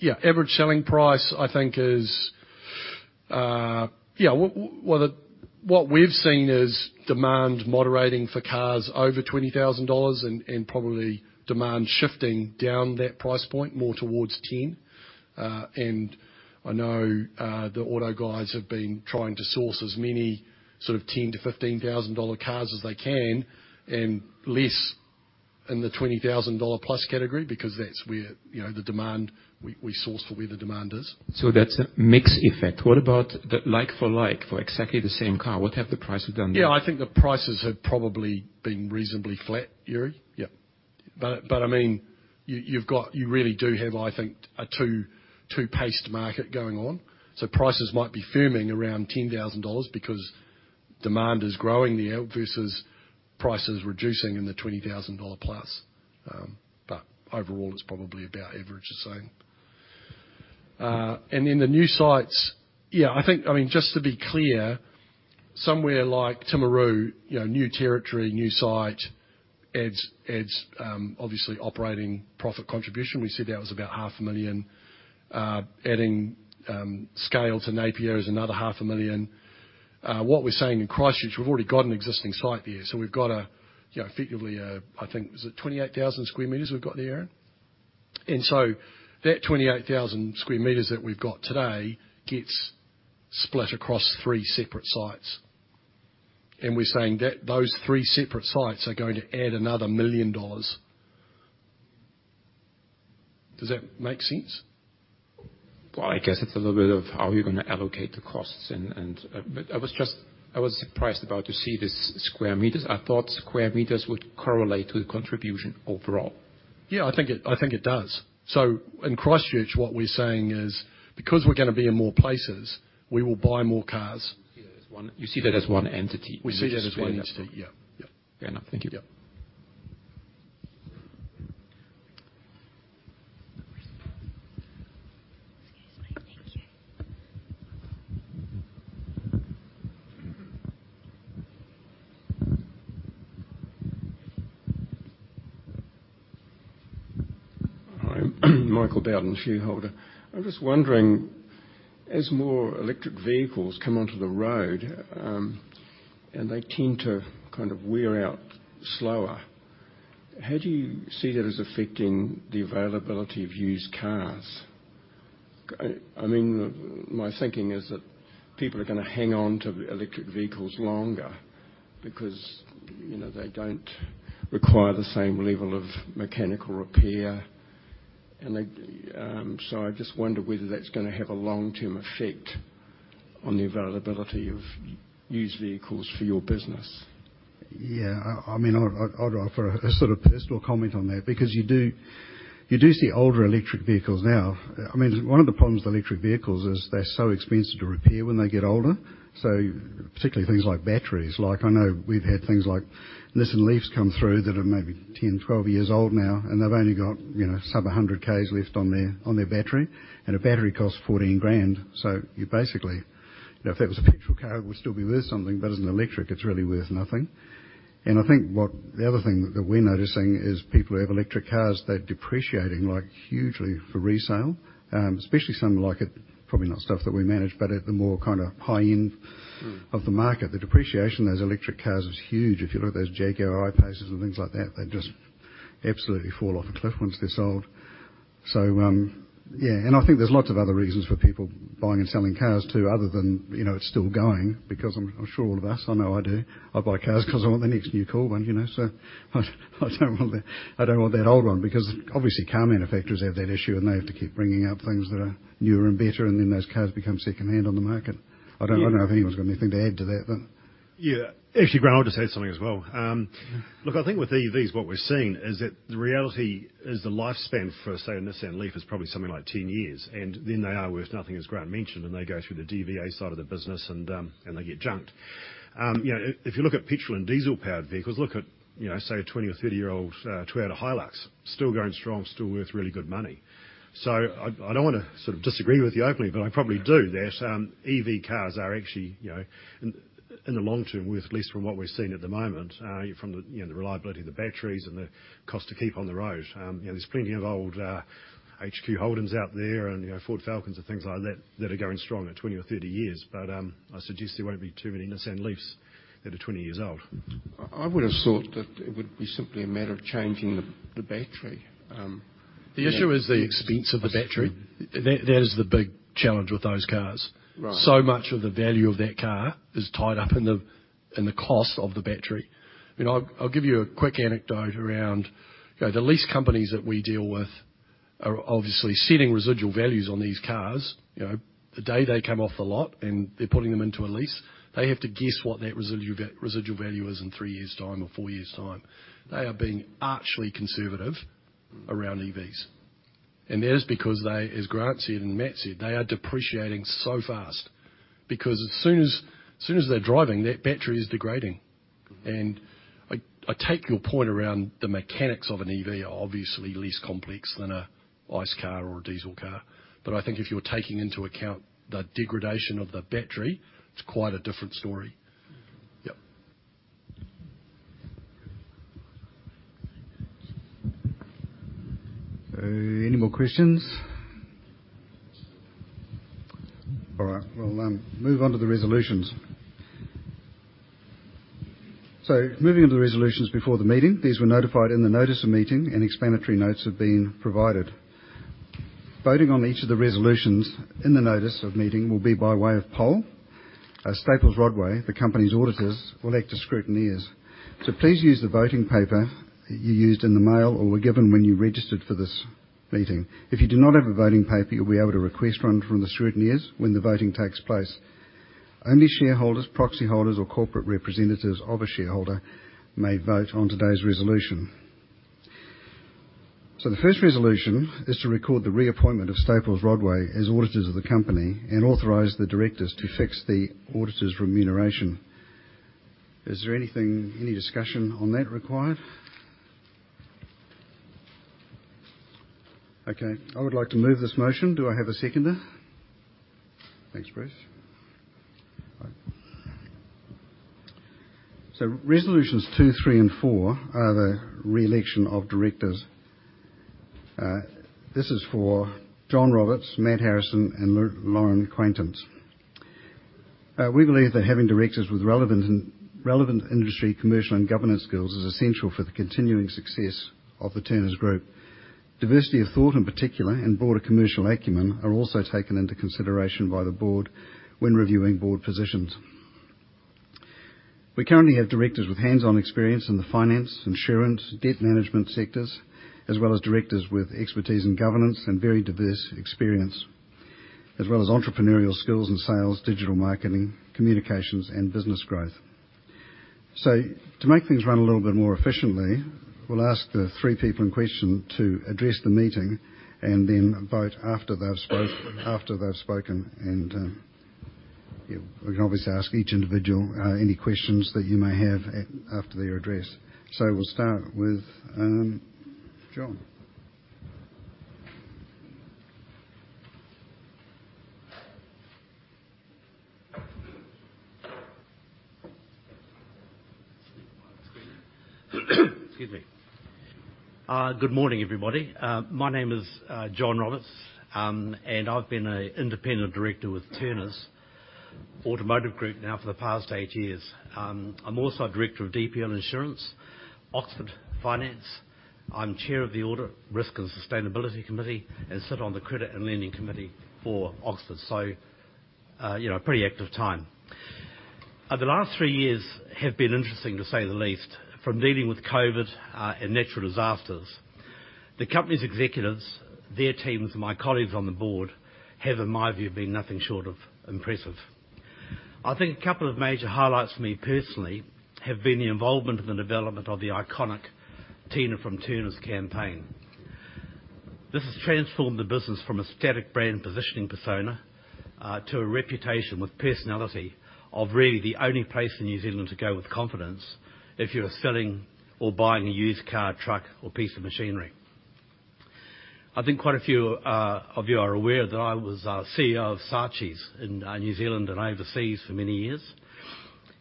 Yeah, average selling price, I think, is, Yeah, what the, what we've seen is demand moderating for cars over 20,000 dollars and probably demand shifting down that price point more towards 10. I know, the auto guys have been trying to source as many sort of 10,000-15,000 dollar cars as they can, and less in the 20,000 dollar plus category, because that's where, you know, we source for where the demand is. That's a mixed effect. What about the like for like, for exactly the same car? What have the prices done there? Yeah, I think the prices have probably been reasonably flat, Yuri. Yep. But I mean, you really do have, I think, a two, two paced market going on. Prices might be firming around 10,000 dollars because demand is growing there versus prices reducing in the 20,000 dollar plus. But overall, it's probably about average the same. Then the new sites, yeah, I mean, just to be clear, somewhere like Timaru, you know, new territory, new site, adds, adds, obviously operating profit contribution. We said that was about 500,000. Adding scale to Napier is another 500,000. What we're saying in Christchurch, we've already got an existing site there, so we've got a, you know, effectively a, I think, was it 28,000 sq meters we've got there? That 28,000 square meters that we've got today gets split across three separate sites, we're saying that those three separate sites are going to add another 1 million dollars. Does that make sense? I guess it's a little bit of how you're gonna allocate the costs. I was surprised about to see this square meters. I thought square meters would correlate to the contribution overall. Yeah, I think it, I think it does. In Christchurch, what we're saying is, because we're gonna be in more places, we will buy more cars. You see that as one entity? We see that as 1 entity, yeah. Yep. Fair enough. Thank you. Yep. Excuse me. Thank you. Hi, Michael Bowden, shareholder. I'm just wondering, as more electric vehicles come onto the road, and they tend to kind of wear out slower, how do you see that as affecting the availability of used cars? I mean, my thinking is that people are gonna hang on to electric vehicles longer because, you know, they don't require the same level of mechanical repair, and they... I just wonder whether that's gonna have a long-term effect on the availability of used vehicles for your business. Yeah, I mean, I'll, I'd, I'd offer a sort of personal comment on that, because you do, you do see older electric vehicles now. I mean, one of the problems with electric vehicles is they're so expensive to repair when they get older, so particularly things like batteries. Like, I know we've had things like Nissan Leafs come through that are maybe 10, 12 years old now, and they've only got, you know, sub 100 Ks left on their, on their battery, and a battery costs 14,000. You basically, you know, if that was a petrol car, it would still be worth something, but as an electric, it's really worth nothing. I think the other thing that, that we're noticing is people who have electric cars, they're depreciating, like, hugely for resale. Especially some like at, probably not stuff that we manage, but at the more kind of high-end- Mm. of the market, the depreciation of those electric cars is huge. If you look at those Jaguar I-PACEs and things like that, they just absolutely fall off a cliff once they're sold. Yeah, and I think there's lots of other reasons for people buying and selling cars, too, other than, you know, it's still going. I'm, I'm sure all of us, I know I do, I buy cars 'cause I want the next new cool one, you know? I don't want the, I don't want that old one, because obviously, car manufacturers have that issue, and they have to keep bringing out things that are newer and better, and then those cars become secondhand on the market. I don't know if anyone's got anything to add to that, but- Yeah. Actually, Grant, I'll just say something as well. Look, I think with EVs, what we're seeing is that the reality is the lifespan for, say, a Nissan Leaf, is probably something like 10 years, and then they are worth nothing, as Grant mentioned, and they go through the DVA side of the business, and they get junked. You know, if you look at petrol and diesel-powered vehicles, look at, you know, say, a 20 or 30-year-old Toyota Hilux, still going strong, still worth really good money. I, I don't wanna sort of disagree with you, openly, but I probably do, that, EV cars are actually, you know, in the, in the long term, worth, at least from what we've seen at the moment, from the, you know, the reliability of the batteries and the cost to keep on the road. you know, there's plenty of old, Holden HQ out there and, you know, Ford Falcon and things like that, that are going strong at 20 or 30 years. I suggest there won't be too many Nissan Leafs that are 20 years old. I, I would have thought that it would be simply a matter of changing the, the battery. The issue is. expense of the battery? That, that is the big challenge with those cars. Right. Much of the value of that car is tied up in the, in the cost of the battery. You know, I'll, I'll give you a quick anecdote around. You know, the lease companies that we deal with are obviously setting residual values on these cars. You know, the day they come off the lot, and they're putting them into a lease, they have to guess what that residual value is in three years time or four years time. They are being archly conservative around EVs, and that is because they, as Grant said and Matt said, they are depreciating so fast because as soon as they're driving, that battery is degrading. Mm-hmm. I, I take your point around the mechanics of an EV are obviously less complex than a ICE car or a diesel car, but I think if you're taking into account the degradation of the battery, it's quite a different story. Yep. Any more questions? All right, we'll move on to the resolutions. Moving on to the resolutions before the meeting, these were notified in the notice of meeting and explanatory notes have been provided. Voting on each of the resolutions in the notice of meeting will be by way of poll. Staples Rodway, the company's auditors, will act as scrutineers. Please use the voting paper that you used in the mail or were given when you registered for this meeting. If you do not have a voting paper, you'll be able to request one from the scrutineers when the voting takes place. Only shareholders, proxy holders, or corporate representatives of a shareholder may vote on today's resolution. The first resolution is to record the reappointment of Staples Rodway as auditors of the company and authorize the directors to fix the auditors' remuneration. Is there anything, any discussion on that required? Okay, I would like to move this motion. Do I have a seconder? Thanks, Bruce. Resolutions two, three, and four are the re-election of directors. This is for John Roberts, Matthew Harrison, and Lauren Quaintance. We believe that having directors with relevant and relevant industry, commercial, and governance skills is essential for the continuing success of the Turners Group. Diversity of thought, in particular, and broader commercial acumen are also taken into consideration by the board when reviewing board positions. We currently have directors with hands-on experience in the finance, insurance, debt management sectors, as well as directors with expertise in governance and very diverse experience, as well as entrepreneurial skills in sales, digital marketing, communications, and business growth. To make things run a little bit more efficiently, we'll ask the three people in question to address the meeting and then vote after they've spoke, after they've spoken. You can obviously ask each individual any questions that you may have after their address. We'll start with, John. Excuse me. Good morning, everybody. My name is John Roberts, and I've been an Independent Director with Turners Automotive Group now for the past 8 years. I'm also a Director of DPL Insurance, Oxford Finance. I'm Chair of the Audit, Risk Management and Sustainability Committee, and sit on the Lending and Credit Committee for Oxford. You know, a pretty active time. The last 3 years have been interesting, to say the least, from dealing with COVID, and natural disasters. The company's executives, their teams, and my colleagues on the board have, in my view, been nothing short of impressive. I think a couple of major highlights for me personally, have been the involvement in the development of the iconic Tina from Turners campaign. This has transformed the business from a static brand positioning persona, to a reputation with personality of really the only place in New Zealand to go with confidence if you are selling or buying a used car, truck, or piece of machinery. I think quite a few of you are aware that I was CEO of Saatchi's in New Zealand and overseas for many years.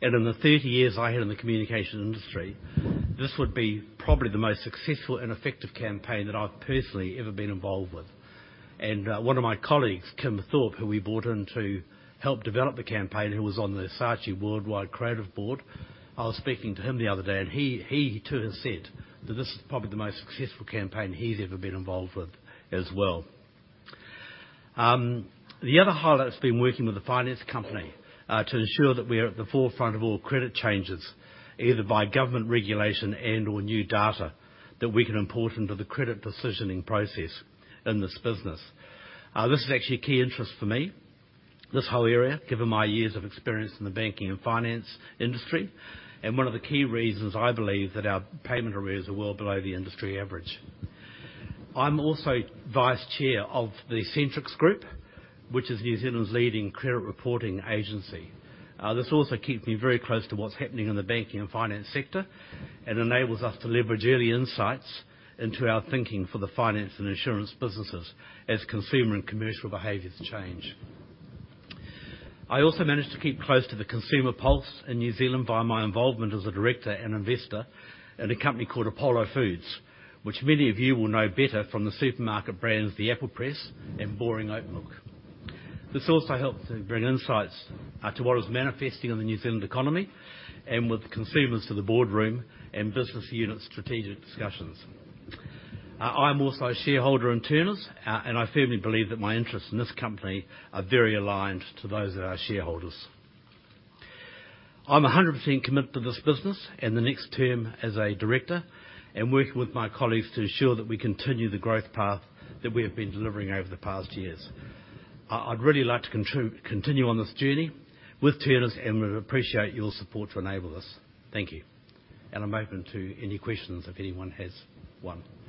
In the 30 years I had in the communication industry, this would be probably the most successful and effective campaign that I've personally ever been involved with. One of my colleagues, Kim Thorp, who we brought in to help develop the campaign, who was on the Saatchi Worldwide Creative Board, I was speaking to him the other day, and he, he too, has said that this is probably the most successful campaign he's ever been involved with as well. The other highlight has been working with the finance company to ensure that we're at the forefront of all credit changes, either by government regulation and/or new data that we can import into the credit decisioning process in this business. This is actually a key interest for me, this whole area, given my years of experience in the banking and finance industry, and one of the key reasons I believe that our payment arrears are well below the industry average. I'm also vice chair of the Centrix Group, which is New Zealand's leading credit reporting agency. This also keeps me very close to what's happening in the banking and finance sector and enables us to leverage early insights into our thinking for the finance and insurance businesses as consumer and commercial behaviors change. I also manage to keep close to the consumer pulse in New Zealand by my involvement as a director and investor in a company called Apollo Food Holdings, which many of you will know better from the supermarket brands, The Apple Press and Boring Oat Milk. This also helps to bring insights to what is manifesting in the New Zealand economy and with consumers to the boardroom and business unit strategic discussions. I'm also a shareholder in Turners, and I firmly believe that my interests in this company are very aligned to those of our shareholders. I'm 100% committed to this business and the next term as a director and working with my colleagues to ensure that we continue the growth path that we have been delivering over the past years. I'd really like to continue on this journey with Turners, and would appreciate your support to enable this. Thank you. I'm open to any questions, if anyone has one. What's the biggest risk you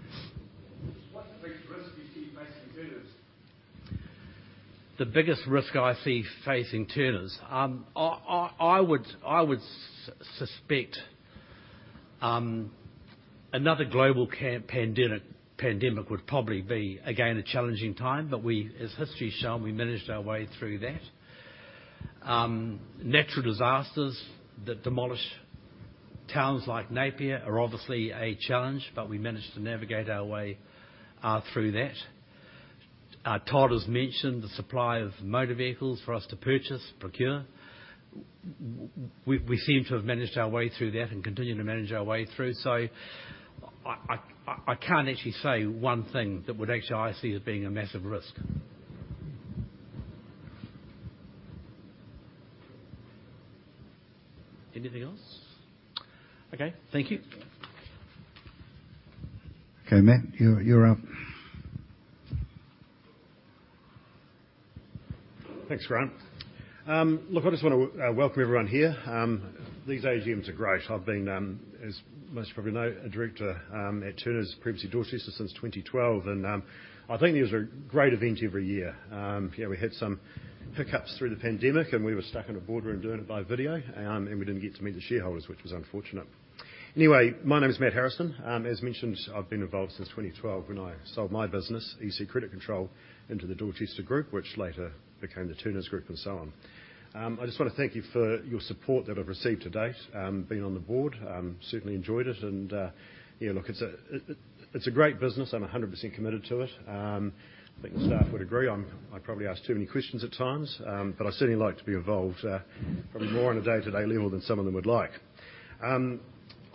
see facing Turners? The biggest risk I see facing Turners, suspect another global pandemic would probably be, again, a challenging time, but we. As history has shown, we managed our way through that. Natural disasters that demolish towns like Napier are obviously a challenge, but we managed to navigate our way through that. Todd has mentioned the supply of motor vehicles for us to purchase, procure. We seem to have managed our way through that and continue to manage our way through. I can't actually say one thing that would actually I see as being a massive risk. Anything else? Okay, thank you. Okay, Matt, you're, you're up. Thanks, Grant. Look, I just want to welcome everyone here. These AGMs are great. I've been, as most probably know, a director, at Turners, previously Dorchester, since 2012, and I think these are a great event every year. You know, we had some hiccups through the pandemic, and we were stuck in a boardroom doing it by video, and we didn't get to meet the shareholders, which was unfortunate. Anyway, my name is Matthew Harrison. As mentioned, I've been involved since 2012, when I sold my business, EC Credit Control, into the Dorchester Pacific, which later became the Turners Group, and so on. I just wanna thank you for your support that I've received to date, being on the board. Certainly enjoyed it and, yeah, look, it's a, it, it's a great business. I'm 100% committed to it. I think the staff would agree. I probably ask too many questions at times, I certainly like to be involved, probably more on a day-to-day level than some of them would like.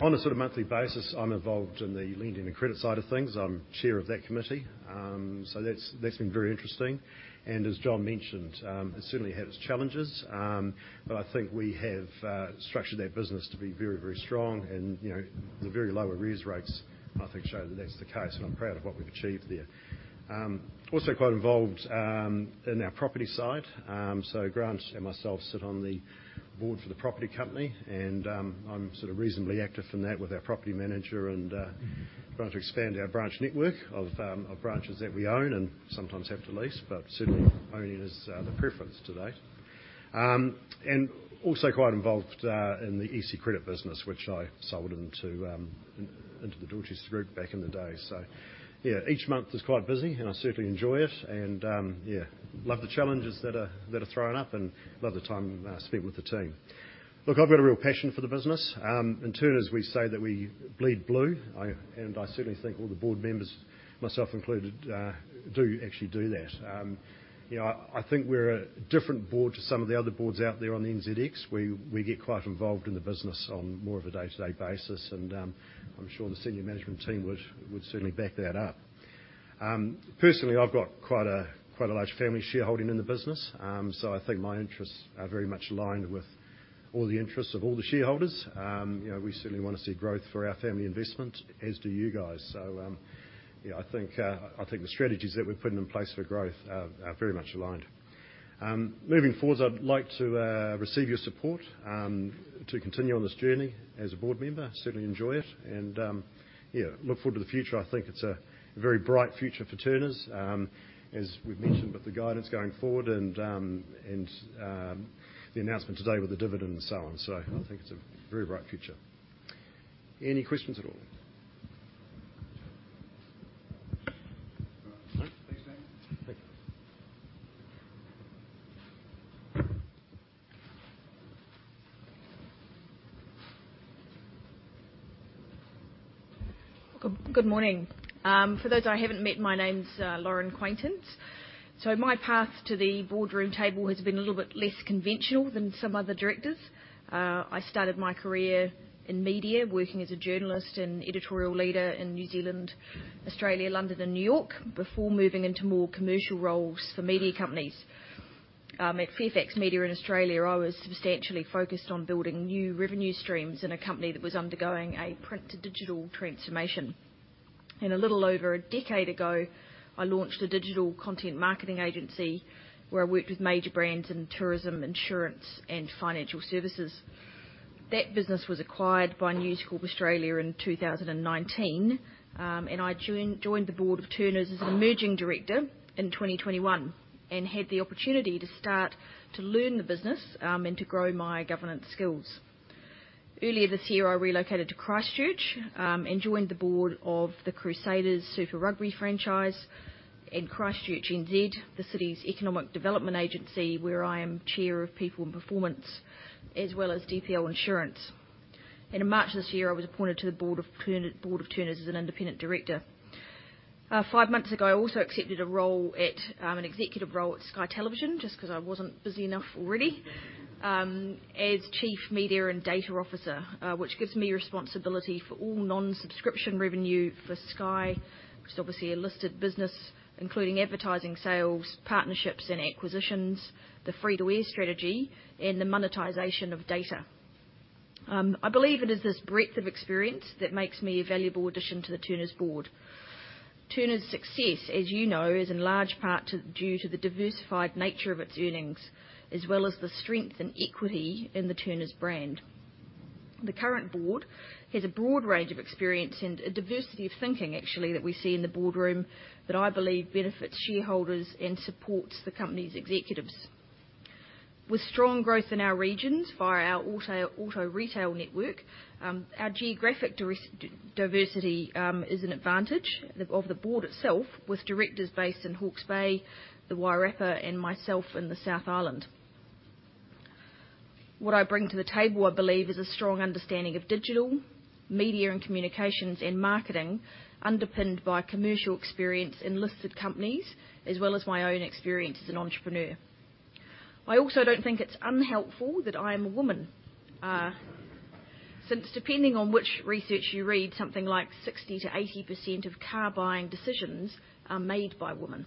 On a sort of monthly basis, I'm involved in the Lending and Credit side of things. I'm chair of that committee. That's, that's been very interesting, and as John mentioned, it certainly had its challenges. I think we have structured that business to be very, very strong and, you know, the very low arrears rates, I think, show that that's the case, and I'm proud of what we've achieved there. Also quite involved in our property side. Grant and myself sit on the board for the property company, and I'm sort of reasonably active in that with our property manager and going to expand our branch network of branches that we own and sometimes have to lease, but certainly owning is the preference to date. Also quite involved in the EC Credit business, which I sold into the Dorchester Pacific back in the day. Each month is quite busy, and I certainly enjoy it and love the challenges that are, that are thrown up and love the time spent with the team. I've got a real passion for the business. In Turners, we say that we bleed blue. I certainly think all the board members, myself included, do actually do that. You know, I, I think we're a different board to some of the other boards out there on the NZX, where we get quite involved in the business on more of a day-to-day basis, and I'm sure the senior management team would, would certainly back that up. Personally, I've got quite a, quite a large family shareholding in the business. I think my interests are very much aligned with all the interests of all the shareholders. You know, we certainly wanna see growth for our family investment, as do you guys. Yeah, I think I think the strategies that we're putting in place for growth are, are very much aligned. Moving forwards, I'd like to receive your support to continue on this journey as a board member. Certainly enjoy it, and yeah, look forward to the future. I think it's a very bright future for Turners. As we've mentioned, with the guidance going forward and and the announcement today with the dividend and so on. I think it's a very bright future. Any questions at all? No. Thanks, Matt. Thank you. Good, good morning. For those I haven't met, my name's Lauren Quaintance. My path to the boardroom table has been a little bit less conventional than some other directors. I started my career in media, working as a journalist and editorial leader in New Zealand, Australia, London, and New York, before moving into more commercial roles for media companies. At Fairfax Media in Australia, I was substantially focused on building new revenue streams in a company that was undergoing a print-to-digital transformation. A little over a decade ago, I launched a digital content marketing agency where I worked with major brands in tourism, insurance, and financial services. That business was acquired by News Corp Australia in 2019, and I joined, joined the board of Turners as an emerging director in 2021. Had the opportunity to start to learn the business, and to grow my governance skills. Earlier this year, I relocated to Christchurch, and joined the board of the Crusaders Super Rugby franchise and ChristchurchNZ, the city's economic development agency, where I am Chair of People and Performance, as well as Delta Insurance. In March this year, I was appointed to the board of Turners as an independent director. Five months ago, I also accepted a role at an executive role at Sky Television, just 'cause I wasn't busy enough already, as Chief Media and Data Officer, which gives me responsibility for all non-subscription revenue for Sky. It's obviously a listed business, including advertising, sales, partnerships, and acquisitions, the free-to-air strategy, and the monetization of data. I believe it is this breadth of experience that makes me a valuable addition to the Turners board. Turners' success, as you know, is in large part due to the diversified nature of its earnings, as well as the strength and equity in the Turners brand. The current board has a broad range of experience and a diversity of thinking, actually, that we see in the boardroom, that I believe benefits shareholders and supports the company's executives. With strong growth in our regions via our auto retail network, our geographic diversity is an advantage of the board itself, with directors based in Hawke's Bay, the Wairarapa, and myself in the South Island. What I bring to the table, I believe, is a strong understanding of digital, media and communications, and marketing, underpinned by commercial experience in listed companies, as well as my own experience as an entrepreneur. I also don't think it's unhelpful that I am a woman. Since depending on which research you read, something like 60%-80% of car buying decisions are made by women.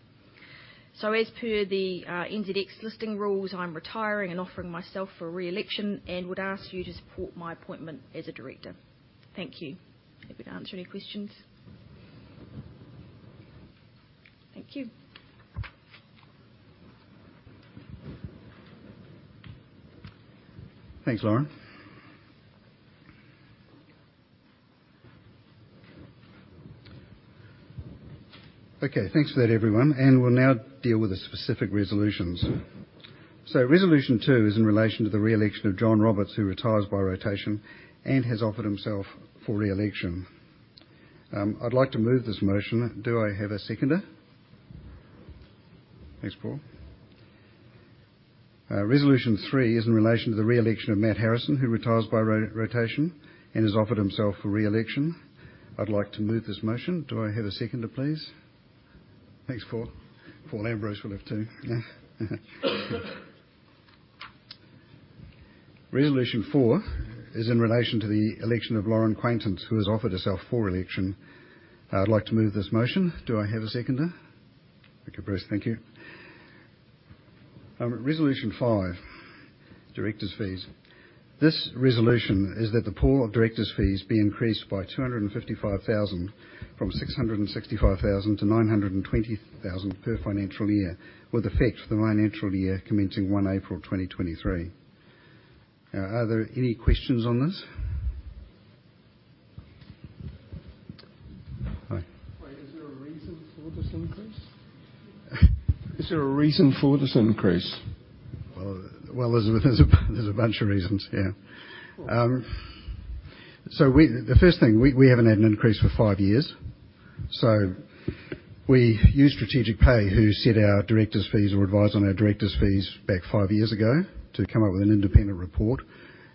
As per the NZX Listing Rules, I'm retiring and offering myself for re-election, and would ask you to support my appointment as a director. Thank you. Happy to answer any questions. Thank you. Thanks, Lauren. Okay, thanks for that, everyone, we'll now deal with the specific resolutions. Resolution two is in relation to the re-election of John Roberts, who retires by rotation and has offered himself for re-election. I'd like to move this motion. Do I have a seconder? Thanks, Paul. Resolution three is in relation to the re-election of Matthew Harrison, who retires by rotation and has offered himself for re-election. I'd like to move this motion. Do I have a seconder, please? Thanks, Paul. Paul Ambrose will have to. Resolution four is in relation to the election of Lauren Quaintance, who has offered herself for re-election. I'd like to move this motion. Do I have a seconder? Thank you, Bruce. Thank you. Resolution five, directors' fees. This resolution is that the pool of directors' fees be increased by 255,000, from 665,000 to 920,000 per financial year, with effect for the financial year commencing April 1, 2023. Are there any questions on this? Hi. Why, is there a reason for this increase? Is there a reason for this increase? Well, well, there's a bunch of reasons, yeah. Cool. We-- the first thing, we, we haven't had an increase for five years. We use Strategic Pay, who set our directors' fees or advise on our directors' fees back five years ago, to come up with an independent report,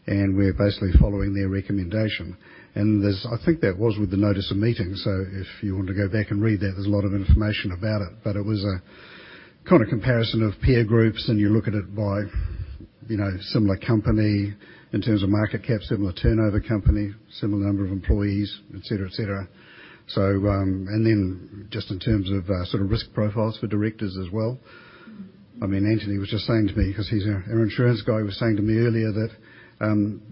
and we're basically following their recommendation. There's-- I think that was with the notice of meeting, so if you want to go back and read that, there's a lot of information about it. It was a kind of comparison of peer groups, and you look at it by, you know, similar company in terms of market cap, similar turnover company, similar number of employees, et cetera, et cetera. Then, just in terms of, sort of risk profiles for directors as well. I mean, Anthony was just saying to me, 'cause he's our, our insurance guy, was saying to me earlier that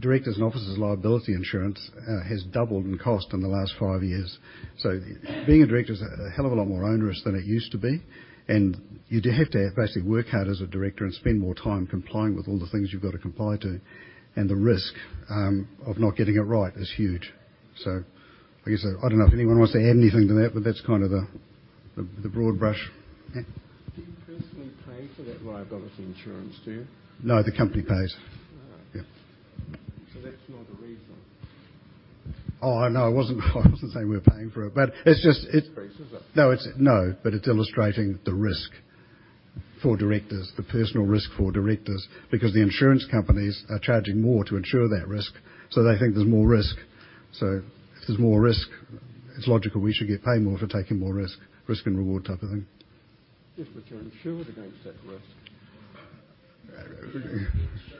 directors and officers' liability insurance has doubled in cost in the last 5 years. Being a director is a, a hell of a lot more onerous than it used to be, and you do have to basically work hard as a director and spend more time complying with all the things you've got to comply to, and the risk of not getting it right is huge. I guess, I don't know if anyone wants to add anything to that, but that's kind of the, the, the broad brush. Yeah? Do you personally pay for that liability insurance, do you? No, the company pays. All right. Yeah. That's not a reason. Oh, no, I wasn't, I wasn't saying we're paying for it, but it's just, it's- Increase, is it? No, it's illustrating the risk for directors, the personal risk for directors, because the insurance companies are charging more to insure that risk, so they think there's more risk. If there's more risk, it's logical we should get paid more for taking more risk, risk and reward type of thing. Yes, you're insured against that risk. The insurance doesn't completely cover the risk. It covers some of the risks that are associated with being a director, but we remain personally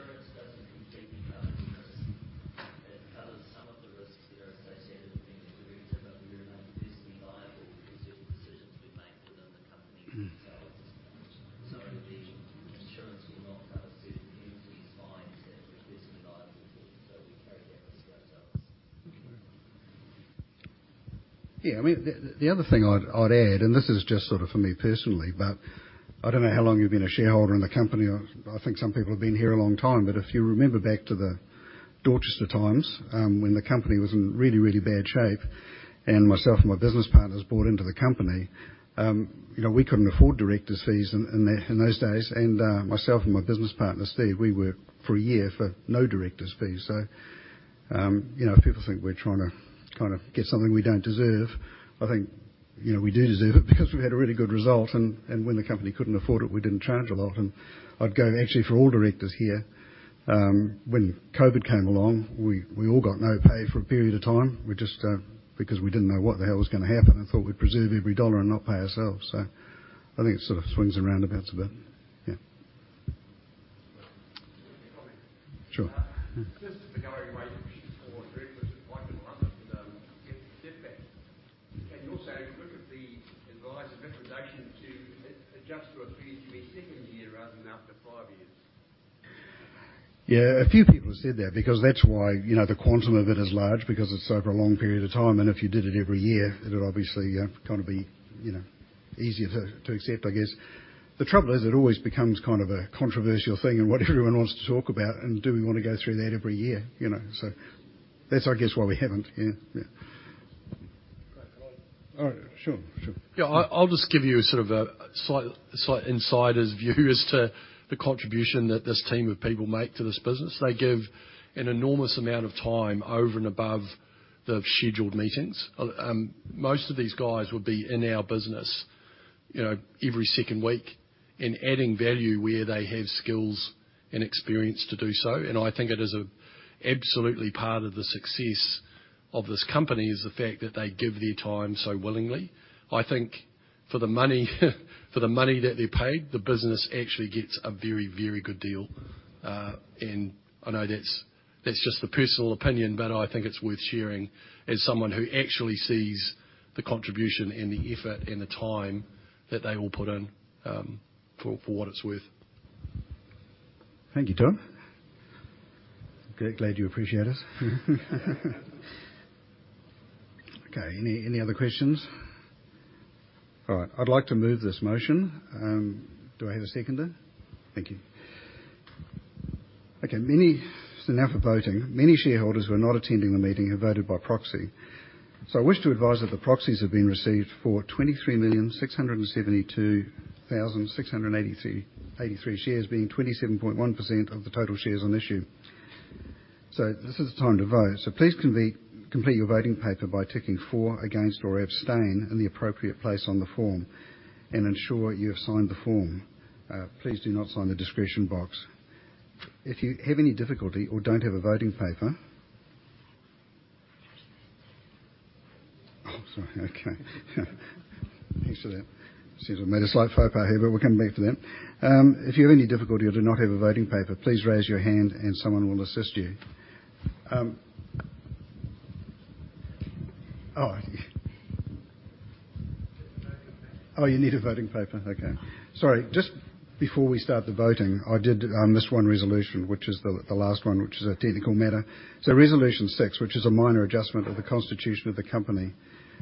liable for certain decisions we make within the company ourselves. Mm-hmm. The insurance will not cover certain penalties, fines, that we're personally liable for, so we carry that risk ourselves. Thank you. Yeah, I mean, the, the other thing I'd, I'd add. This is just sort of for me personally, I don't know how long you've been a shareholder in the company. I, I think some people have been here a long time. If you remember back to the Dorchester times, when the company was in really, really bad shape, myself and my business partners bought into the company. You know, we couldn't afford directors' fees in, in that, in those days, myself and my business partner, Steve, we worked for one year for no directors' fees. You know, if people think we're trying to kind of get something we don't deserve, I think, you know, we do deserve it because we've had a really good result, and when the company couldn't afford it, we didn't charge a lot. I'd go actually, for all directors here, when COVID came along, we, we all got no pay for a period of time. We just... Because we didn't know what the hell was gonna happen and thought we'd preserve every dollar and not pay ourselves. I think it sort of swings around about a bit. Yeah. Comment. Sure. Just regarding wage for directors, I do understand, get that. Can you also look at the advisor recommendation to adjust to a three-year second year rather than after five years? Yeah, a few people have said that, because that's why, you know, the quantum of it is large, because it's over a long period of time, and if you did it every year, it would obviously, kind of be, you know, easier to, to accept, I guess. The trouble is, it always becomes kind of a controversial thing and what everyone wants to talk about, and do we want to go through that every year? You know, so that's, I guess, why we haven't. Yeah, yeah. All right. Sure, sure. Yeah, I, I'll just give you sort of a slight, slight insider's view as to the contribution that this team of people make to this business. They give an enormous amount of time over and above the scheduled meetings. Most of these guys would be in our business, you know, every second week and adding value where they have skills and experience to do so. I think it is absolutely part of the success of this company, is the fact that they give their time so willingly. For the money, for the money that they're paid, the business actually gets a very, very good deal. I know that's, that's just a personal opinion, but I think it's worth sharing as someone who actually sees the contribution and the effort and the time that they all put in, for, for what it's worth. Thank you, Todd. Good, glad you appreciate it. Okay, any, any other questions? All right, I'd like to move this motion. Do I have a seconder? Thank you. Okay, now for voting. Many shareholders who are not attending the meeting have voted by proxy. I wish to advise that the proxies have been received for 23,672,683 shares, being 27.1% of the total shares on issue. This is the time to vote. Please complete your voting paper by ticking for, against, or abstain in the appropriate place on the form, and ensure you have signed the form. Please do not sign the discretion box. If you have any difficulty or don't have a voting paper... Oh, sorry. Okay. Thanks for that. Seems I've made a slight faux pas here, but we'll come back to that. If you have any difficulty or do not have a voting paper, please raise your hand and someone will assist you. Oh, Get the voting paper. Oh, you need a voting paper? Okay. Sorry, just before we start the voting, I did miss one resolution, which is the, the last one, which is a technical matter. Resolution 6, which is a minor adjustment of the constitution of the company,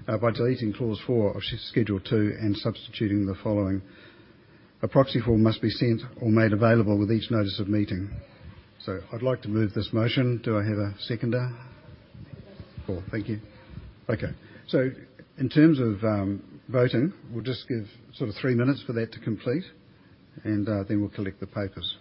by deleting Clause Four of Schedule Two and substituting the following: "A proxy form must be sent or made available with each notice of meeting." I'd like to move this motion. Do I have a seconder? Cool. Thank you. Okay. In terms of, voting, we'll just give sort of 3 minutes for that to complete, and then we'll collect the papers.